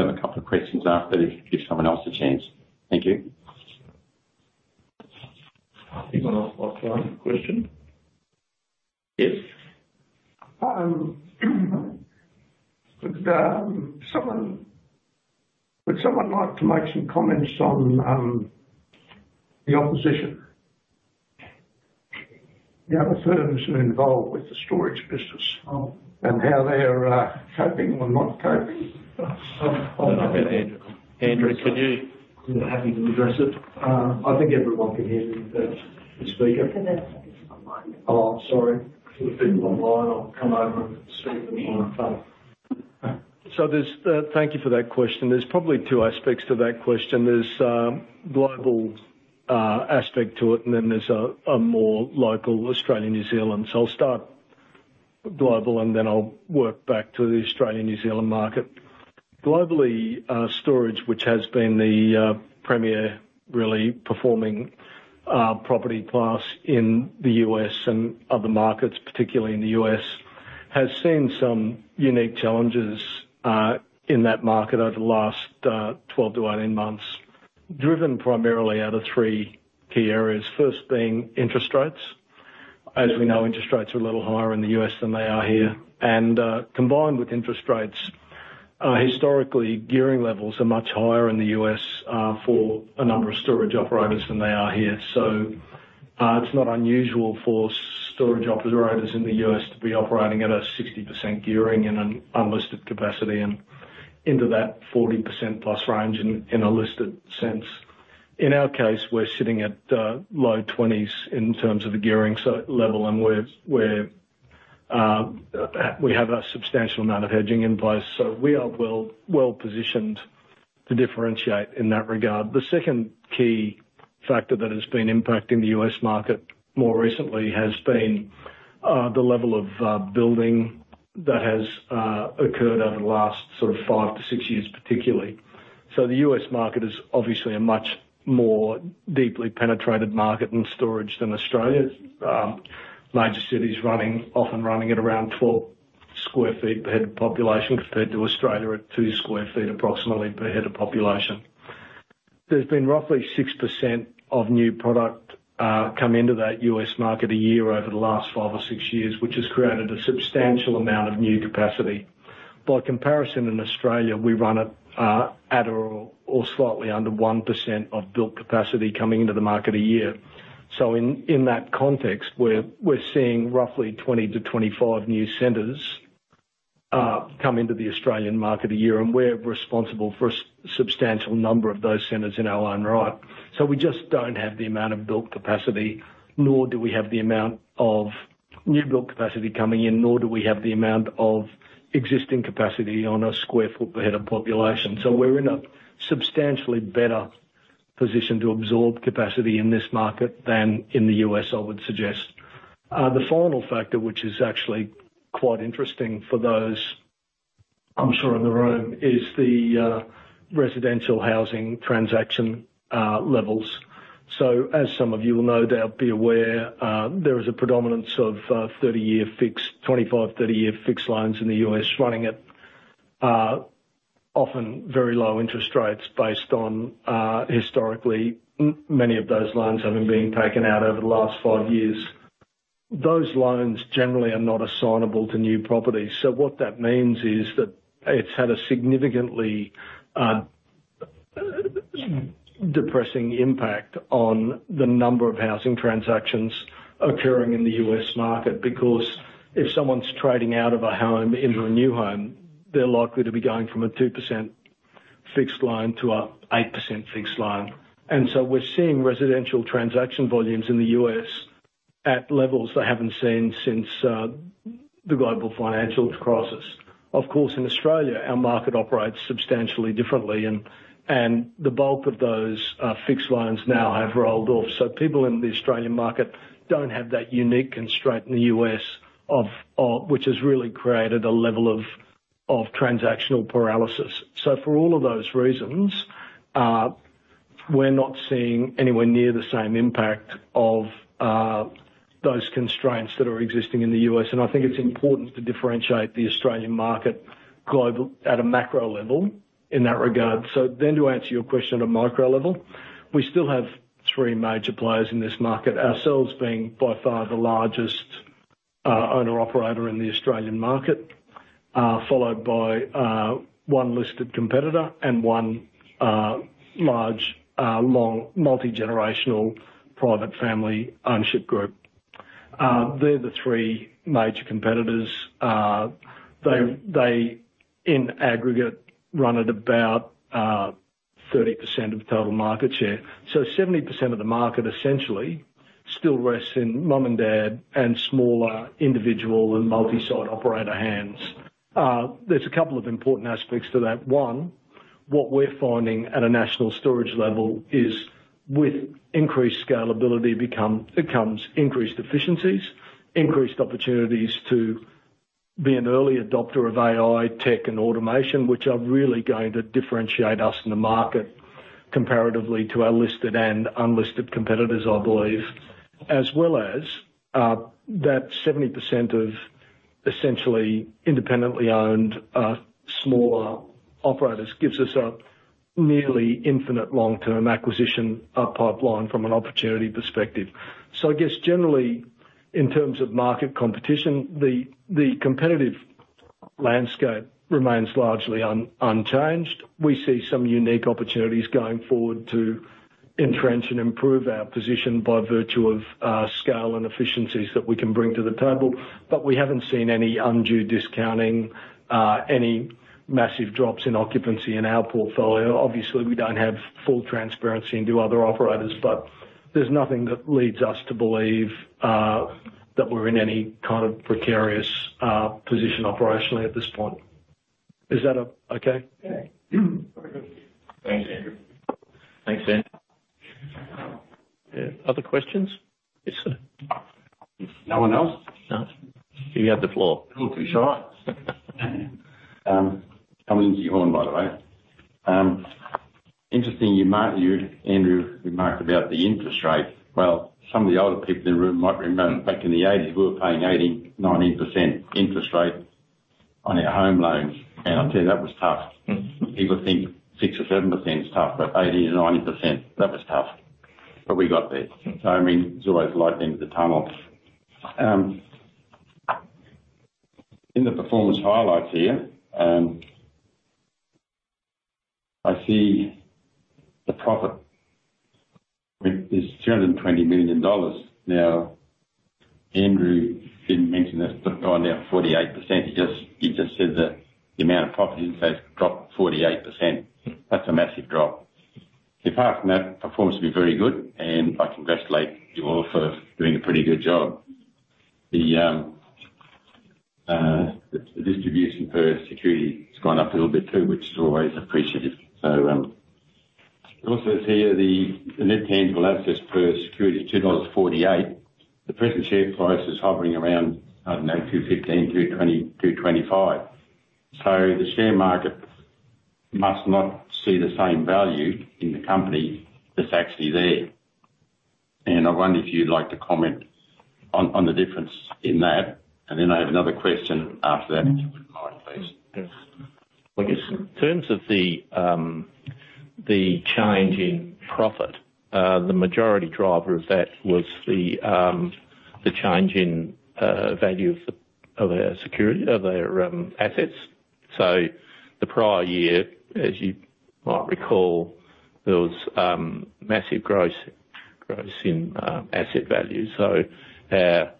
have a couple of questions after. Give someone else a chance. Thank you. You gonna ask, like, another question? Yes. Would someone like to make some comments on the opposition? The other firms who are involved with the storage business, and how they are coping or not coping? Andrew, can you. Happy to address it. I think everyone can hear me, the speaker. Online. Oh, sorry. For the people online, I'll come over and speak on the mic. So there's, thank you for that question. There's probably two aspects to that question. There's a global aspect to it, and then there's a more local, Australian, New Zealand. So I'll start global, and then I'll work back to the Australian, New Zealand market. Globally, storage, which has been the premier, really, performing property class in the U.S. and other markets, particularly in the US., has seen some unique challenges in that market over the last 12-18 months, driven primarily out of three key areas. First being interest rates. As we know, interest rates are a little higher in the U.S. than they are here, and, combined with interest rates, historically, gearing levels are much higher in the U.S. for a number of storage operators than they are here. So, it's not unusual for storage operators in the U.S. to be operating at a 60% gearing in an unlisted capacity and into that 40% plus range in a listed sense. In our case, we're sitting at low 20s in terms of the gearing level, and we have a substantial amount of hedging in place, so we are well positioned to differentiate in that regard. The second key factor that has been impacting the U.S. market more recently has been the level of building that has occurred over the last sort of five to six years, particularly. So the U.S. market is obviously a much more deeply penetrated market in storage than Australia. Major cities running, often running at around 12 sq ft per head of population, compared to Australia at 2 sq ft approximately per head of population. There's been roughly 6% of new product come into that U.S. market a year over the last five to six years, which has created a substantial amount of new capacity. By comparison, in Australia, we run it at or slightly under 1% of built capacity coming into the market a year. So in that context, we're seeing roughly 20-25 new centers come into the Australian market a year, and we're responsible for a substantial number of those centers in our own right. So we just don't have the amount of built capacity, nor do we have the amount of new build capacity coming in, nor do we have the amount of existing capacity on a sq ft per head of population. So we're in a substantially better position to absorb capacity in this market than in the US, I would suggest. The final factor, which is actually quite interesting for those, I'm sure, in the room, is the residential housing transaction levels. So as some of you will know, they'll be aware, there is a predominance of 25-30-year fixed loans in the US, running at often very low interest rates based on, historically, many of those loans having been taken out over the last five years. Those loans generally are not assignable to new properties, so what that means is that it's had a significantly depressing impact on the number of housing transactions occurring in the U.S. market, because if someone's trading out of a home into a new home, they're likely to be going from a 2% fixed loan to an 8% fixed loan. And so we're seeing residential transaction volumes in the U.S. at levels they haven't seen since the global financial crisis. Of course, in Australia, our market operates substantially differently, and the bulk of those fixed loans now have rolled off. So people in the Australian market don't have that unique constraint in the U.S. of which has really created a level of transactional paralysis. So for all of those reasons, we're not seeing anywhere near the same impact of those constraints that are existing in the U.S. And I think it's important to differentiate the Australian market globally at a macro level in that regard. So then to answer your question, at a micro level, we still have three major players in this market, ourselves being by far the largest owner-operator in the Australian market, followed by one listed competitor and one large multigenerational private family ownership group. They're the three major competitors. They, in aggregate, run at about 30% of the total market share. So 70% of the market essentially still rests in mom and dad and smaller individual and multi-site operator hands. There's a couple of important aspects to that. One, what we're finding at a National Storage level is, with increased scalability become, becomes increased efficiencies, increased opportunities to be an early adopter of AI, tech, and automation, which are really going to differentiate us in the market comparatively to our listed and unlisted competitors, I believe. As well as, that 70% of essentially independently owned, smaller operators gives us a nearly infinite long-term acquisition pipeline from an opportunity perspective. So I guess generally, in terms of market competition, the competitive landscape remains largely unchanged. We see some unique opportunities going forward to entrench and improve our position by virtue of scale and efficiencies that we can bring to the table, but we haven't seen any undue discounting, any massive drops in occupancy in our portfolio. Obviously, we don't have full transparency into other operators, but there's nothing that leads us to believe that we're in any kind of precarious position operationally at this point. Is that okay? Yeah. Thanks, Andrew. Thanks, Andrew. Other questions? Yes, sir. No one else? No. You have the floor. Don't be shy. Coming to you, by the way. Interesting, you marked Andrew, you marked about the interest rate. Well, some of the older people in the room might remember back in the eighties, we were paying 80%-90% interest rate on our home loans, and I tell you, that was tough. People think 6% or 7% is tough, but 80%-90%, that was tough. But we got there. So, I mean, there's always light end of the tunnel. In the performance highlights here, I see the profit is 220 million dollars. Now, Andrew didn't mention this, but gone down 48%. He just, he just said that the amount of profit inside dropped 48%. That's a massive drop. Apart from that, performance will be very good, and I congratulate you all for doing a pretty good job. The distribution per security has gone up a little bit, too, which is always appreciative. It also says here, the net tangible assets per security is 2.48 dollars. The present share price is hovering around, I don't know, 2.15, 2.20, 2.25. So the share market must not see the same value in the company that's actually there. And I wonder if you'd like to comment on the difference in that? And then I have another question after that, if you wouldn't mind, please. Yes. I guess in terms of the change in profit, the majority driver of that was the, the change in, value of the, of our security, of our, assets. So the prior year, as you might recall, there was, massive growth, growth in, asset value. So our,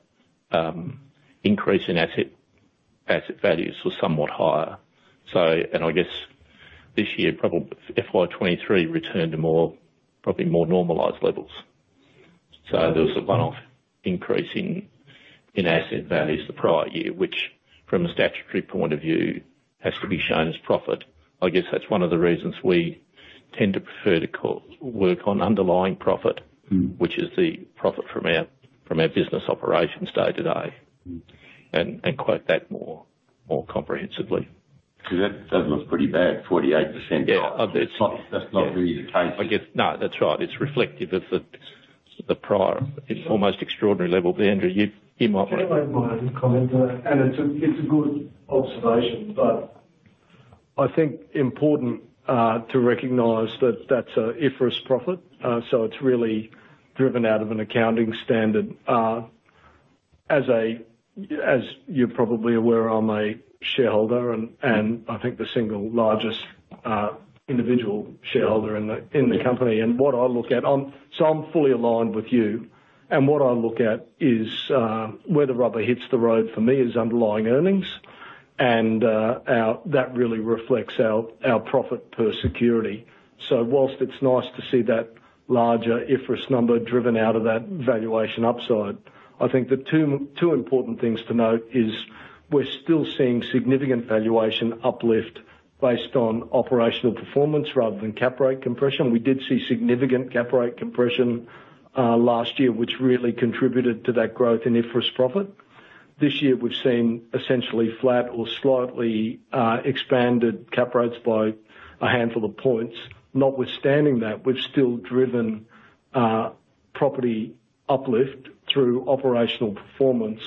increase in asset, asset values was somewhat higher. So, and I guess this year, probably FY 2023 returned to more, probably more normalized levels. So there was a one-off increase in, in asset values the prior year, which from a statutory point of view, has to be shown as profit. I guess that's one of the reasons we tend to prefer to focus on underlying profit which is the profit from our business operations day-to-day. And quote that more comprehensively. That does look pretty bad, 48%. Yeah, obviously. That's not really the case. I guess. No, that's right. It's reflective of the, the prior, it's almost extraordinary level. But Andrew, you, you might wanna. Can I make my comment? It's a good observation, but I think important to recognize that that's a IFRS profit, so it's really driven out of an accounting standard. As you're probably aware, I'm a shareholder and I think the single largest individual shareholder in the company. What I look at, so I'm fully aligned with you, and what I look at is where the rubber hits the road for me is underlying earnings, and that really reflects our profit per security. So while it's nice to see that larger IFRS number driven out of that valuation upside, I think the two important things to note is we're still seeing significant valuation uplift based on operational performance rather than cap rate compression. We did see significant cap rate compression last year, which really contributed to that growth in IFRS profit. This year, we've seen essentially flat or slightly expanded cap rates by a handful of points. Notwithstanding that, we've still driven property uplift through operational performance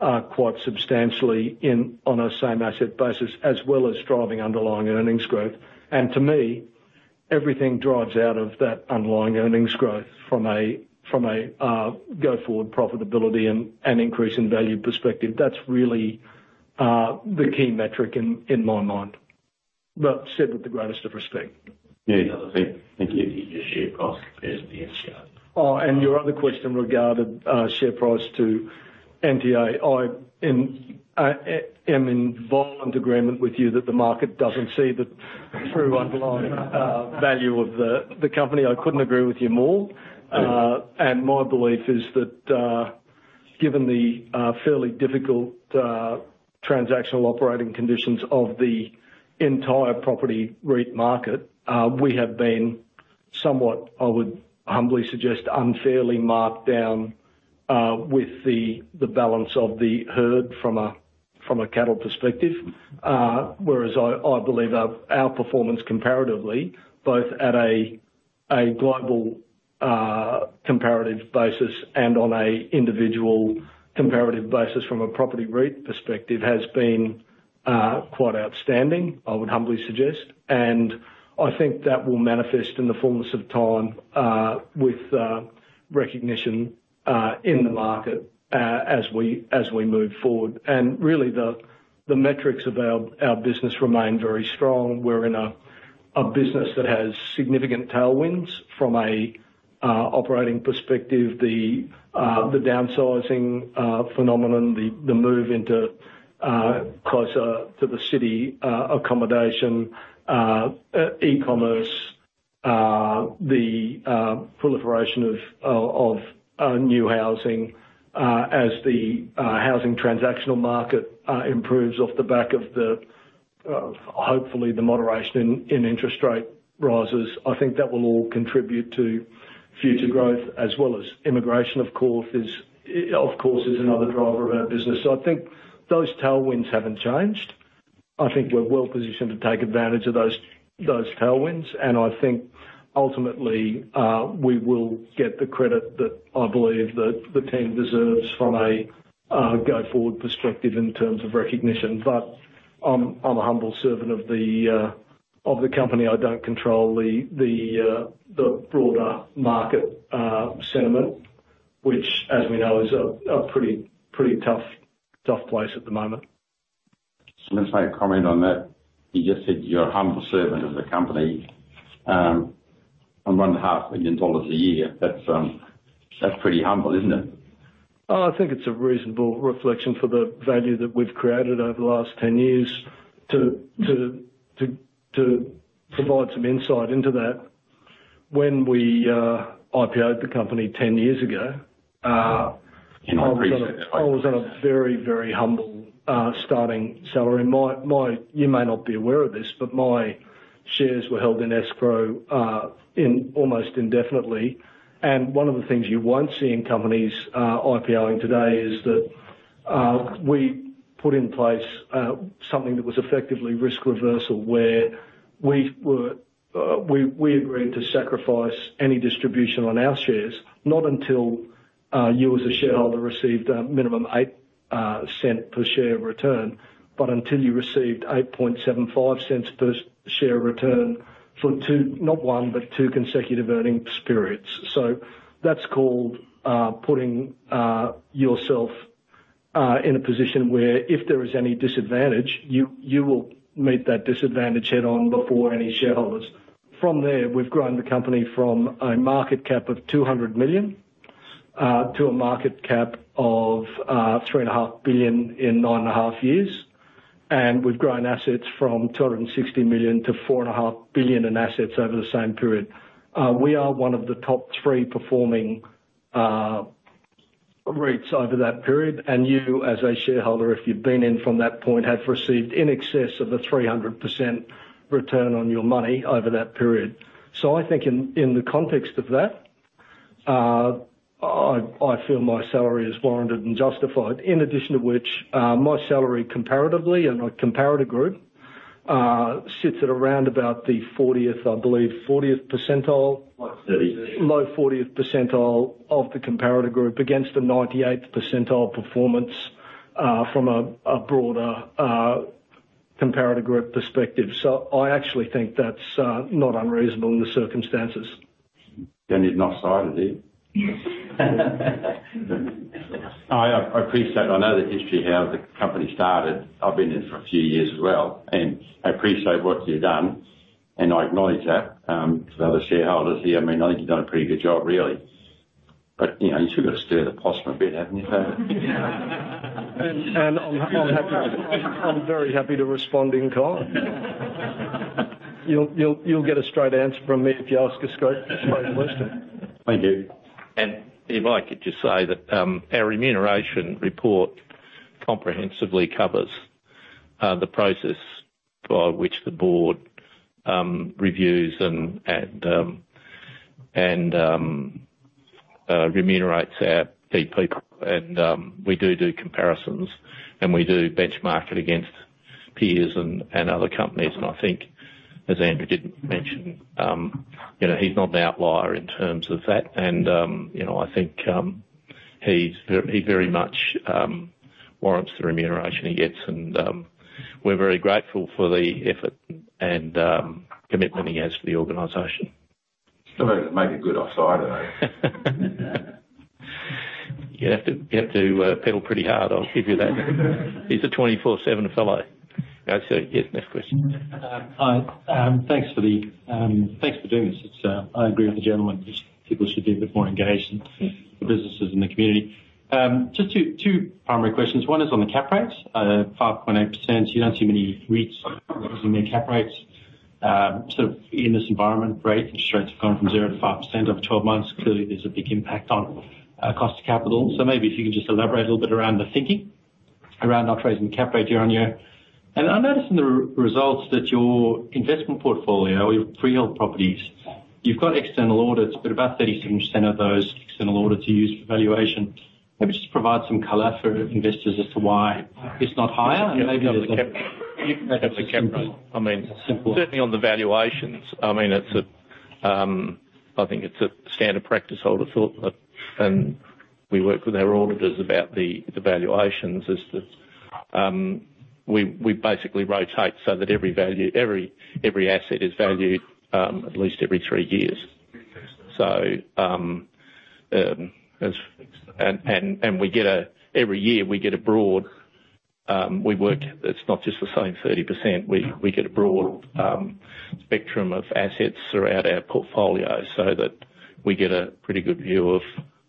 quite substantially on a same asset basis, as well as driving underlying earnings growth. And to me, everything drives out of that underlying earnings growth from a go-forward profitability and increase in value perspective. That's really the key metric in my mind, but said with the greatest of respect. Yeah. Thank you. Oh, and your other question regarding share price to NTA. I am in violent agreement with you that the market doesn't see the true underlying value of the company. I couldn't agree with you more. Yeah. And my belief is that, given the fairly difficult transactional operating conditions of the entire property REIT market, we have been somewhat, I would humbly suggest, unfairly marked down with the balance of the herd from a cattle perspective. Whereas I believe our performance comparatively, both at a global comparative basis and on a individual comparative basis from a property REIT perspective, has been quite outstanding, I would humbly suggest. And I think that will manifest in the fullness of time with recognition in the market as we move forward. And really, the metrics of our business remain very strong. We're in a business that has significant tailwinds from an operating perspective, the downsizing phenomenon, the move into closer to the city accommodation, e-commerce, the proliferation of new housing as the housing transactional market improves off the back of the hopefully the moderation in interest rate rises. I think that will all contribute to future growth as well as immigration, of course, is another driver of our business. So I think those tailwinds haven't changed. I think we're well positioned to take advantage of those tailwinds, and I think ultimately we will get the credit that I believe that the team deserves from a go-forward perspective in terms of recognition. But I'm a humble servant of the company. I don't control the broader market sentiment, which, as we know, is a pretty tough place at the moment. So let's make a comment on that. You just said you're a humble servant of the company on 1.5 million dollars a year. That's pretty humble, isn't it? Oh, I think it's a reasonable reflection for the value that we've created over the last 10 years. To provide some insight into that, when we IPO'd the company 10 years ago, In my research I was on a very, very humble starting salary. My, you may not be aware of this, but my shares were held in escrow almost indefinitely. And one of the things you won't see in companies IPOing today is that we put in place something that was effectively risk reversal, where we were, we agreed to sacrifice any distribution on our shares, not until you as a shareholder received a minimum 0.08 per share return, but until you received 8.75 cents per share return for two, not one, but two consecutive earning periods. So that's called putting yourself in a position where if there is any disadvantage, you will meet that disadvantage head-on before any shareholders. From there, we've grown the company from a market cap of 200 million to a market cap of 3.5 billion in 9.5 years. And we've grown assets from 260 million to 4.5 billion in assets over the same period. We are one of the top three performing REITs over that period, and you, as a shareholder, if you've been in from that point, have received in excess of a 300% return on your money over that period. So I think in the context of that, I feel my salary is warranted and justified, in addition to which, my salary comparatively and my comparator group sits at around about the 40th, I believe 40th percentile. Like 30. Low 40th percentile of the comparator group against the 98th percentile performance from a broader comparator group perspective. So I actually think that's not unreasonable in the circumstances. Then you've not started it. I, I appreciate. I know the history, how the company started. I've been here for a few years as well, and I appreciate what you've done, and I acknowledge that, for the other shareholders here, I mean, I think you've done a pretty good job, really. But, you know, you still got to stir the pot a bit, haven't you? I'm very happy to respond in kind. You'll get a straight answer from me if you ask a straight question. Thank you. If I could just say that, our remuneration report comprehensively covers the process by which the board reviews and remunerates our key people. We do comparisons, and we do benchmark it against peers and other companies. I think, as Andrew did mention, you know, he's not an outlier in terms of that. You know, I think he very much warrants the remuneration he gets, and we're very grateful for the effort and commitment he has for the organization. So make a good offsider of that. You'd have to, you have to, pedal pretty hard, I'll give you that. He's a 24/7 fellow. I'd say. Yes, next question. Hi. Thanks for doing this. It's, I agree with the gentleman, just people should be a bit more engaged in businesses in the community. Just two, two primary questions. One is on the cap rates, 5.8%. You don't see many REITs using their cap rates, so in this environment, rate interest rates have gone from 0%-5% over 12 months. Clearly, there's a big impact on, cost of capital. So maybe if you can just elaborate a little bit around the thinking around not raising cap rate year-on-year. And I noticed in the results that your investment portfolio, your freehold properties, you've got external audits, but about 37% of those external audits are used for valuation. Maybe just provide some color for investors as to why it's not higher, and maybe. That's the cap. I mean, certainly on the valuations, I mean, it's a standard practice, I would have thought. But we work with our auditors about the valuations is that we basically rotate so that every asset is valued at least every three years. So every year, we get a broad spectrum of assets throughout our portfolio so that we get a pretty good view of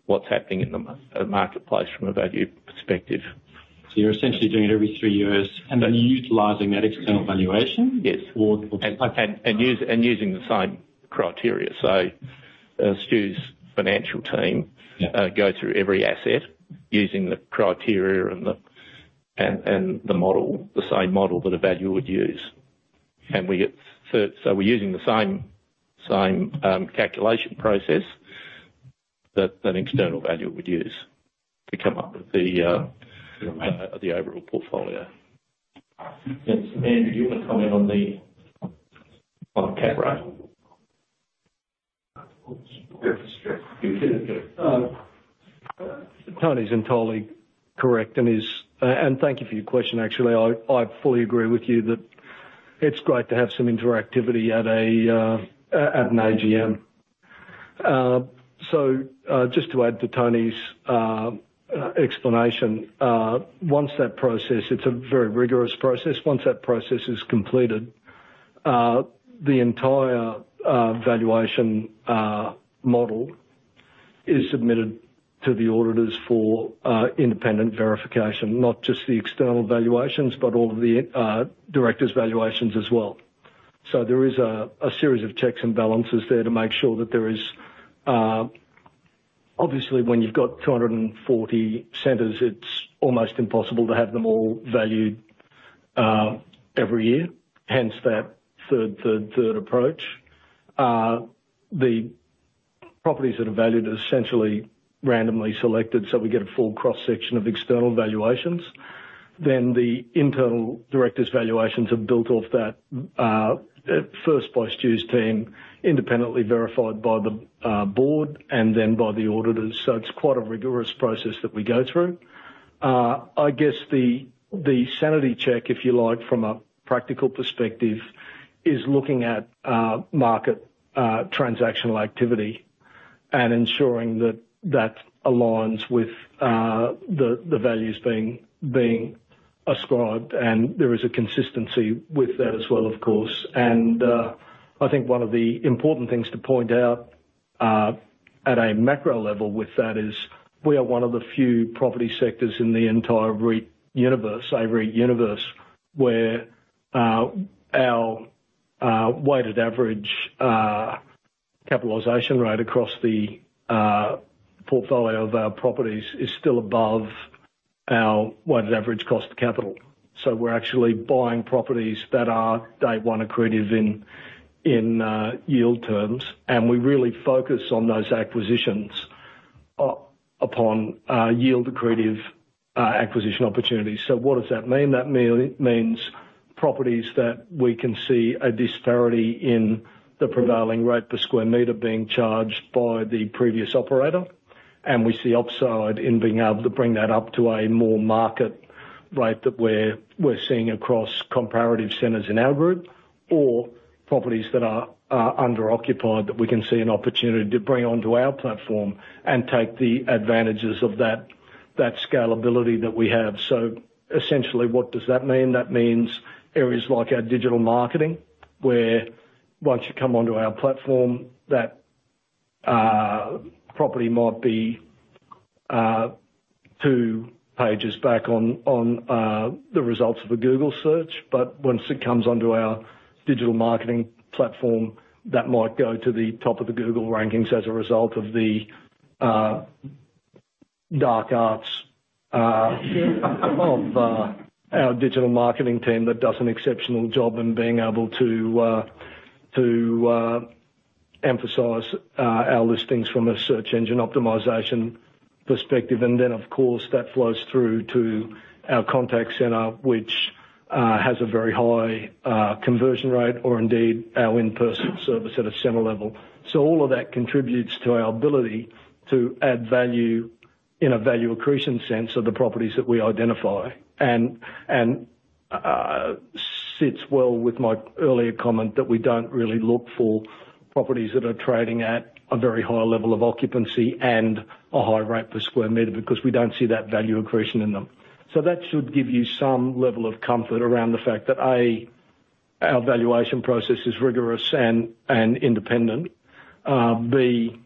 what's happening in the marketplace from a value perspective. It's not just the same 30%. So you're essentially doing it every three years, and then you're utilizing that external valuation? Yes. Or using the same criteria. So, Stu's financial team. Yeah Go through every asset using the criteria and the model, the same model that a valuer would use. And we get, so, we're using the same calculation process that an external valuer would use to come up with the overall portfolio. Yes, Andrew, you want to comment on the cap rate? Yes. Sure. Tony's entirely correct, and thank you for your question, actually. I fully agree with you that it's great to have some interactivity at an AGM. So, just to add to Tony's explanation, once that process, it's a very rigorous process. Once that process is completed, the entire valuation model is submitted to the auditors for independent verification. Not just the external valuations, but all of the directors' valuations as well. So there is a series of checks and balances there to make sure that there is obviously, when you've got 240 centers, it's almost impossible to have them all valued every year, hence that third approach. The properties that are valued are essentially randomly selected, so we get a full cross-section of external valuations. Then the internal directors' valuations are built off that, first by Stu's team, independently verified by the board and then by the auditors. So it's quite a rigorous process that we go through. I guess the sanity check, if you like, from a practical perspective, is looking at market transactional activity and ensuring that that aligns with the values being ascribed, and there is a consistency with that as well, of course. I think one of the important things to point out at a macro level with that is, we are one of the few property sectors in the entire REIT universe, A-REIT universe, where our weighted average capitalization rate across the portfolio of our properties is still above our weighted average cost of capital. So we're actually buying properties that are day one accretive in yield terms, and we really focus on those acquisitions upon yield accretive acquisition opportunities. So what does that mean? That means properties that we can see a disparity in the prevailing rate per square meter being charged by the previous operator, and we see upside in being able to bring that up to a more market rate that we're, we're seeing across comparative centers in our group, or properties that are underoccupied, that we can see an opportunity to bring onto our platform and take the advantages of that, that scalability that we have. So essentially, what does that mean? That means areas like our digital marketing, where once you come onto our platform, that property might be two pages back on the results of a Google search, but once it comes onto our digital marketing platform, that might go to the top of the Google rankings as a result of the dark arts of our digital marketing team, that does an exceptional job in being able to emphasize our listings from a search engine optimization perspective. And then, of course, that flows through to our contact center, which has a very high conversion rate, or indeed, our in-person service at a similar level. So all of that contributes to our ability to add value in a value accretion sense of the properties that we identify, and, and, sits well with my earlier comment that we don't really look for properties that are trading at a very high level of occupancy and a high rate per square meter, because we don't see that value accretion in them. So that should give you some level of comfort around the fact that, A, our valuation process is rigorous and, and independent. B,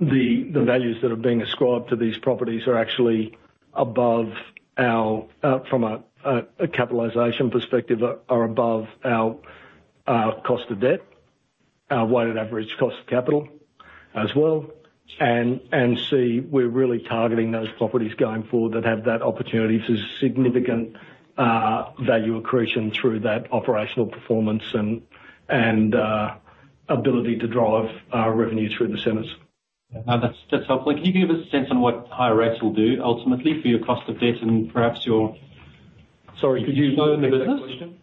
the, the values that are being ascribed to these properties are actually above our, from a, a, a capitalization perspective, are above our, cost of debt, our weighted average cost of capital as well. And we're really targeting those properties going forward that have that opportunity to significant value accretion through that operational performance and ability to drive our revenue through the centers. Yeah, that's, that's helpful. Can you give us a sense on what higher rates will do ultimately for your cost of debt and perhaps your- Sorry, could you repeat the question?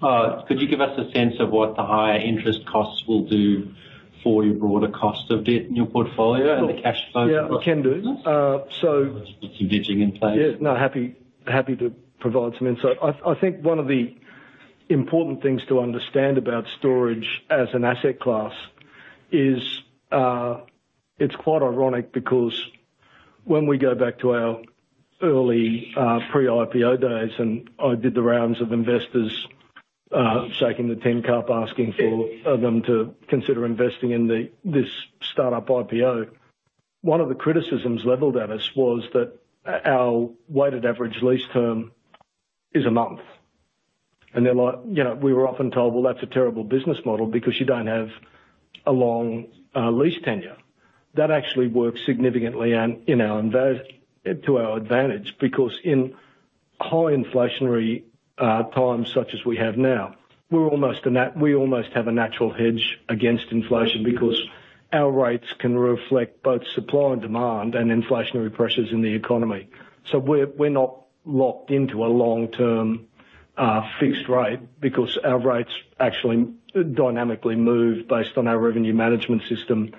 Could you give us a sense of what the higher interest costs will do for your broader cost of debt in your portfolio and the cash flow? Yeah, I can do. Some hedging in place. Yeah, no, happy to provide some insight. I think one of the important things to understand about storage as an asset class is, it's quite ironic, because when we go back to our early pre-IPO days, and I did the rounds of investors, shaking the tin cup, asking for them to consider investing in this start-up IPO, one of the criticisms leveled at us was that our weighted average lease term is a month. And they're like, you know, we were often told, "Well, that's a terrible business model because you don't have a long lease tenure." That actually works significantly to our advantage, because in high inflationary times such as we have now, we almost have a natural hedge against inflation because our rates can reflect both supply and demand and inflationary pressures in the economy. So we're not locked into a long-term fixed rate because our rates actually dynamically move based on our revenue management system.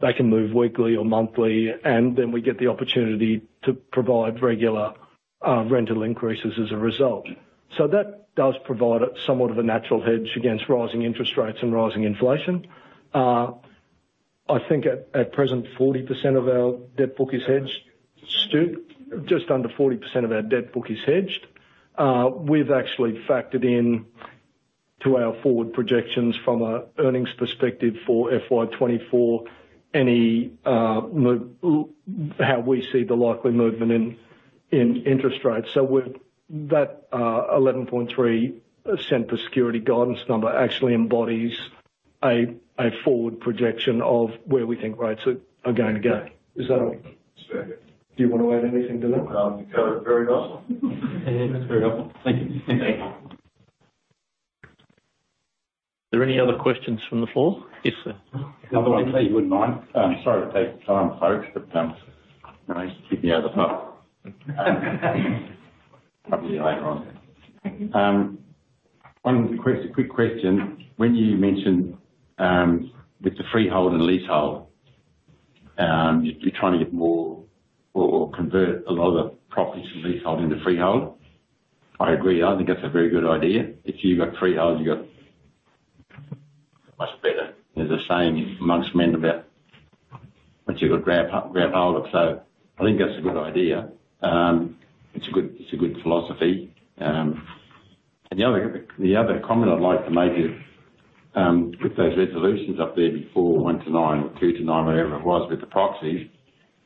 They can move weekly or monthly, and then we get the opportunity to provide regular rental increases as a result. So that does provide somewhat of a natural hedge against rising interest rates and rising inflation. I think at present, 40% of our debt book is hedged. Stu? Just under 40% of our debt book is hedged. We've actually factored in to our forward projections from a earnings perspective for FY 2024, any how we see the likely movement in interest rates. So with that, 11.3 cents per security guidance number actually embodies a forward projection of where we think rates are going to go. Is that all? Sure. Do you want to add anything to that? Covered very well. That's very helpful. Thank you. Thank you. Are there any other questions from the floor? Yes, sir. I want to say, if you wouldn't mind, sorry to take the time, folks, but keep me out of the pub. One quick, quick question. When you mentioned with the freehold and leasehold, you're trying to get more or, or convert a lot of the properties from leasehold into freehold. I agree, I think that's a very good idea. If you've got freehold, you got much better. There's a saying amongst men about once you go grab, grab hold of. So I think that's a good idea. It's a good, it's a good philosophy. And the other, the other comment I'd like to make is, with those resolutions up there before 1-9 or 2-9, whatever it was, with the proxies,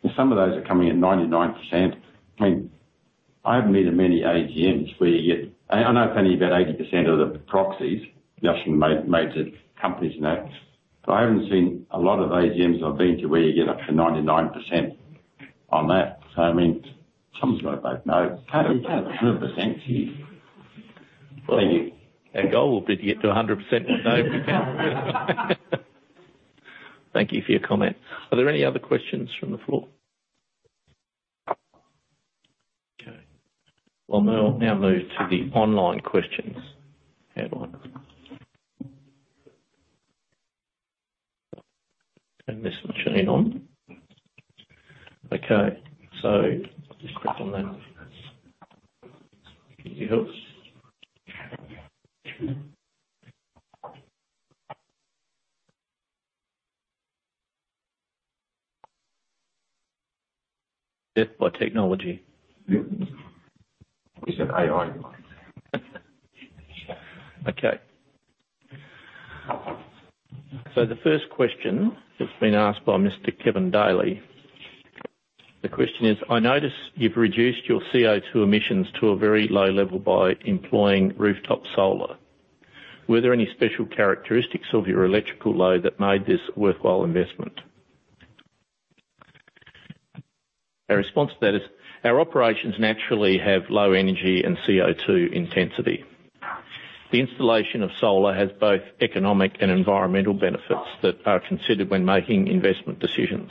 and some of those are coming in 99%. I mean, I haven't been to many AGMs where you get, I know only about 80% of the proxies, the actual major companies know. So I haven't seen a lot of AGMs I've been to, where you get up to 99% on that. So, I mean, someone's got to vote no. Can't have a 100% yes. Our goal would be to get to a hundred percent, you know. Thank you for your comment. Are there any other questions from the floor? Okay, we'll now, now move to the online questions. Hang on. And this machine on. Okay, so just click on that. Any helps. Death by technology. It's an AI. Okay. So the first question that's been asked by Mr. Kevin Daley. The question is: I notice you've reduced your CO2 emissions to a very low level by employing rooftop solar. Were there any special characteristics of your electrical load that made this worthwhile investment? Our response to that is: Our operations naturally have low energy and CO2 intensity. The installation of solar has both economic and environmental benefits that are considered when making investment decisions.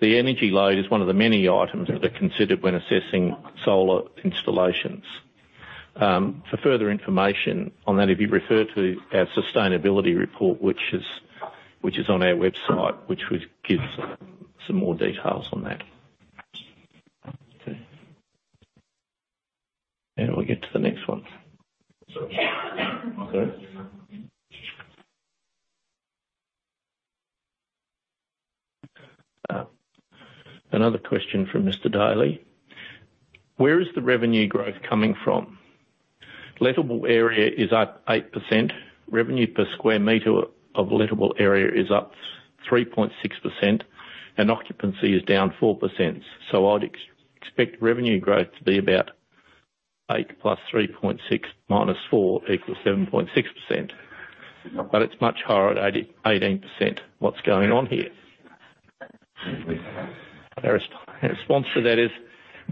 The energy load is one of the many items that are considered when assessing solar installations. For further information on that, if you refer to our sustainability report, which is on our website, which would give some more details on that. Okay. How do I get to the next one? Okay. Another question from Mr. Daley: Where is the revenue growth coming from? Lettable area is up 8%. Revenue per square meter of lettable area is up 3.6%, and occupancy is down 4%. So I'd expect revenue growth to be about 8 + 3.6 - 4 = 7.6%, but it's much higher at 18%. What's going on here? Our response to that is: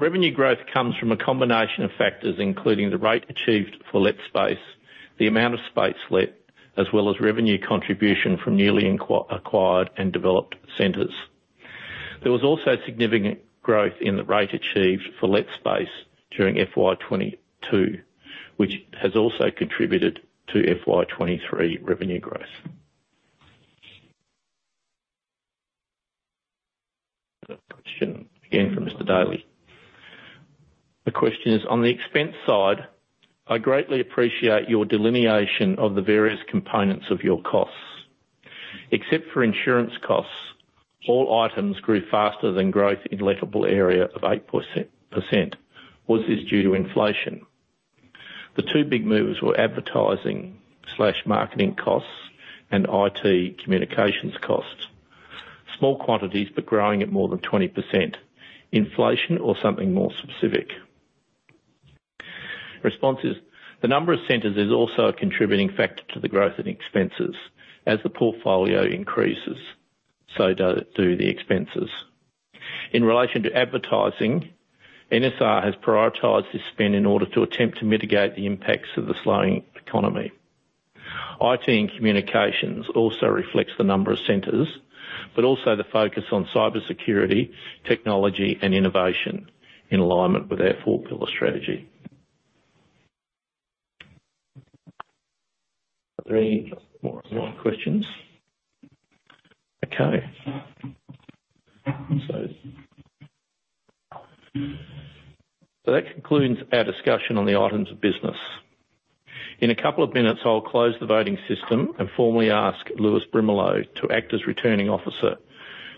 Revenue growth comes from a combination of factors, including the rate achieved for let space, the amount of space let, as well as revenue contribution from newly acquired and developed centers. There was also significant growth in the rate achieved for let space during FY 2022, which has also contributed to FY 2023 revenue growth. The question again from Mr. Daley. The question is: On the expense side, I greatly appreciate your delineation of the various components of your costs. Except for insurance costs, all items grew faster than growth in lettable area of 8%. Was this due to inflation? The two big movers were advertising slash marketing costs and IT communications costs. Small quantities, but growing at more than 20%. Inflation or something more specific? Response is: The number of centers is also a contributing factor to the growth in expenses. As the portfolio increases, so does do the expenses. In relation to advertising, NSR has prioritized this spend in order to attempt to mitigate the impacts of the slowing economy. IT and communications also reflects the number of centers, but also the focus on cybersecurity, technology, and innovation in alignment with our Four Pillar Strategy. Are there any more online questions? Okay. So, so that concludes our discussion on the items of business. In a couple of minutes, I'll close the voting system and formally ask Lewis Brimelow to act as returning officer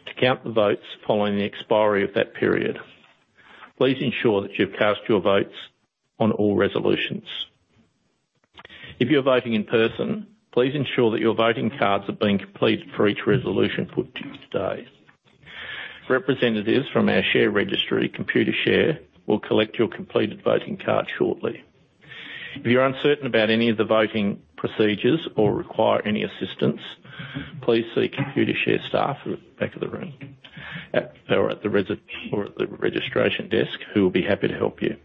to count the votes following the expiry of that period. Please ensure that you've cast your votes on all resolutions. If you're voting in person, please ensure that your voting cards are being completed for each resolution put to you today. Representatives from our share registry, Computershare, will collect your completed voting card shortly. If you're uncertain about any of the voting procedures or require any assistance, please see Computershare staff at the back of the room or at the registration desk, who will be happy to help you.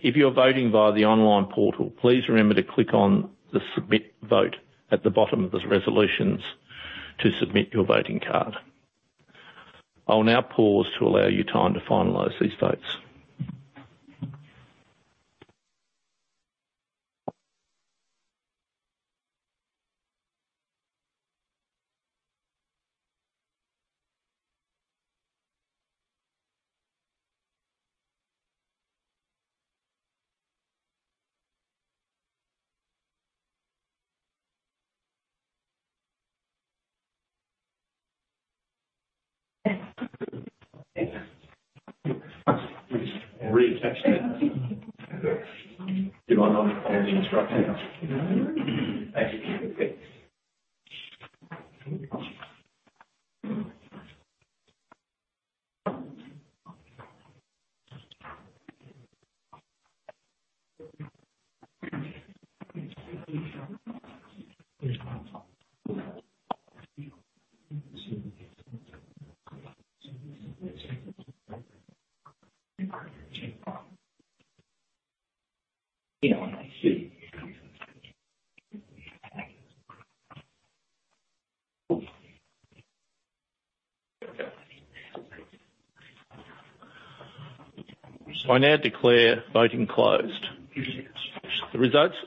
If you are voting via the online portal, please remember to click on the Submit Vote at the bottom of those resolutions to submit your voting card. I will now pause to allow you time to finalize these votes. I now declare voting closed. The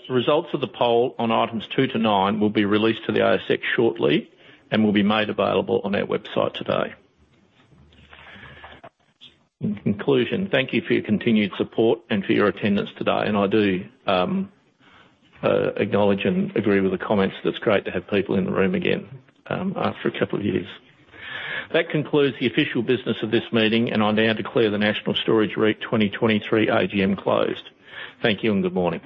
results of the poll on items two to nine will be released to the ASX shortly and will be made available on our website today. In conclusion, thank you for your continued support and for your attendance today, and I do acknowledge and agree with the comments. That's great to have people in the room again after a couple of years. That concludes the official business of this meeting, and I now declare the National Storage REIT 2023 AGM closed. Thank you, and good morning.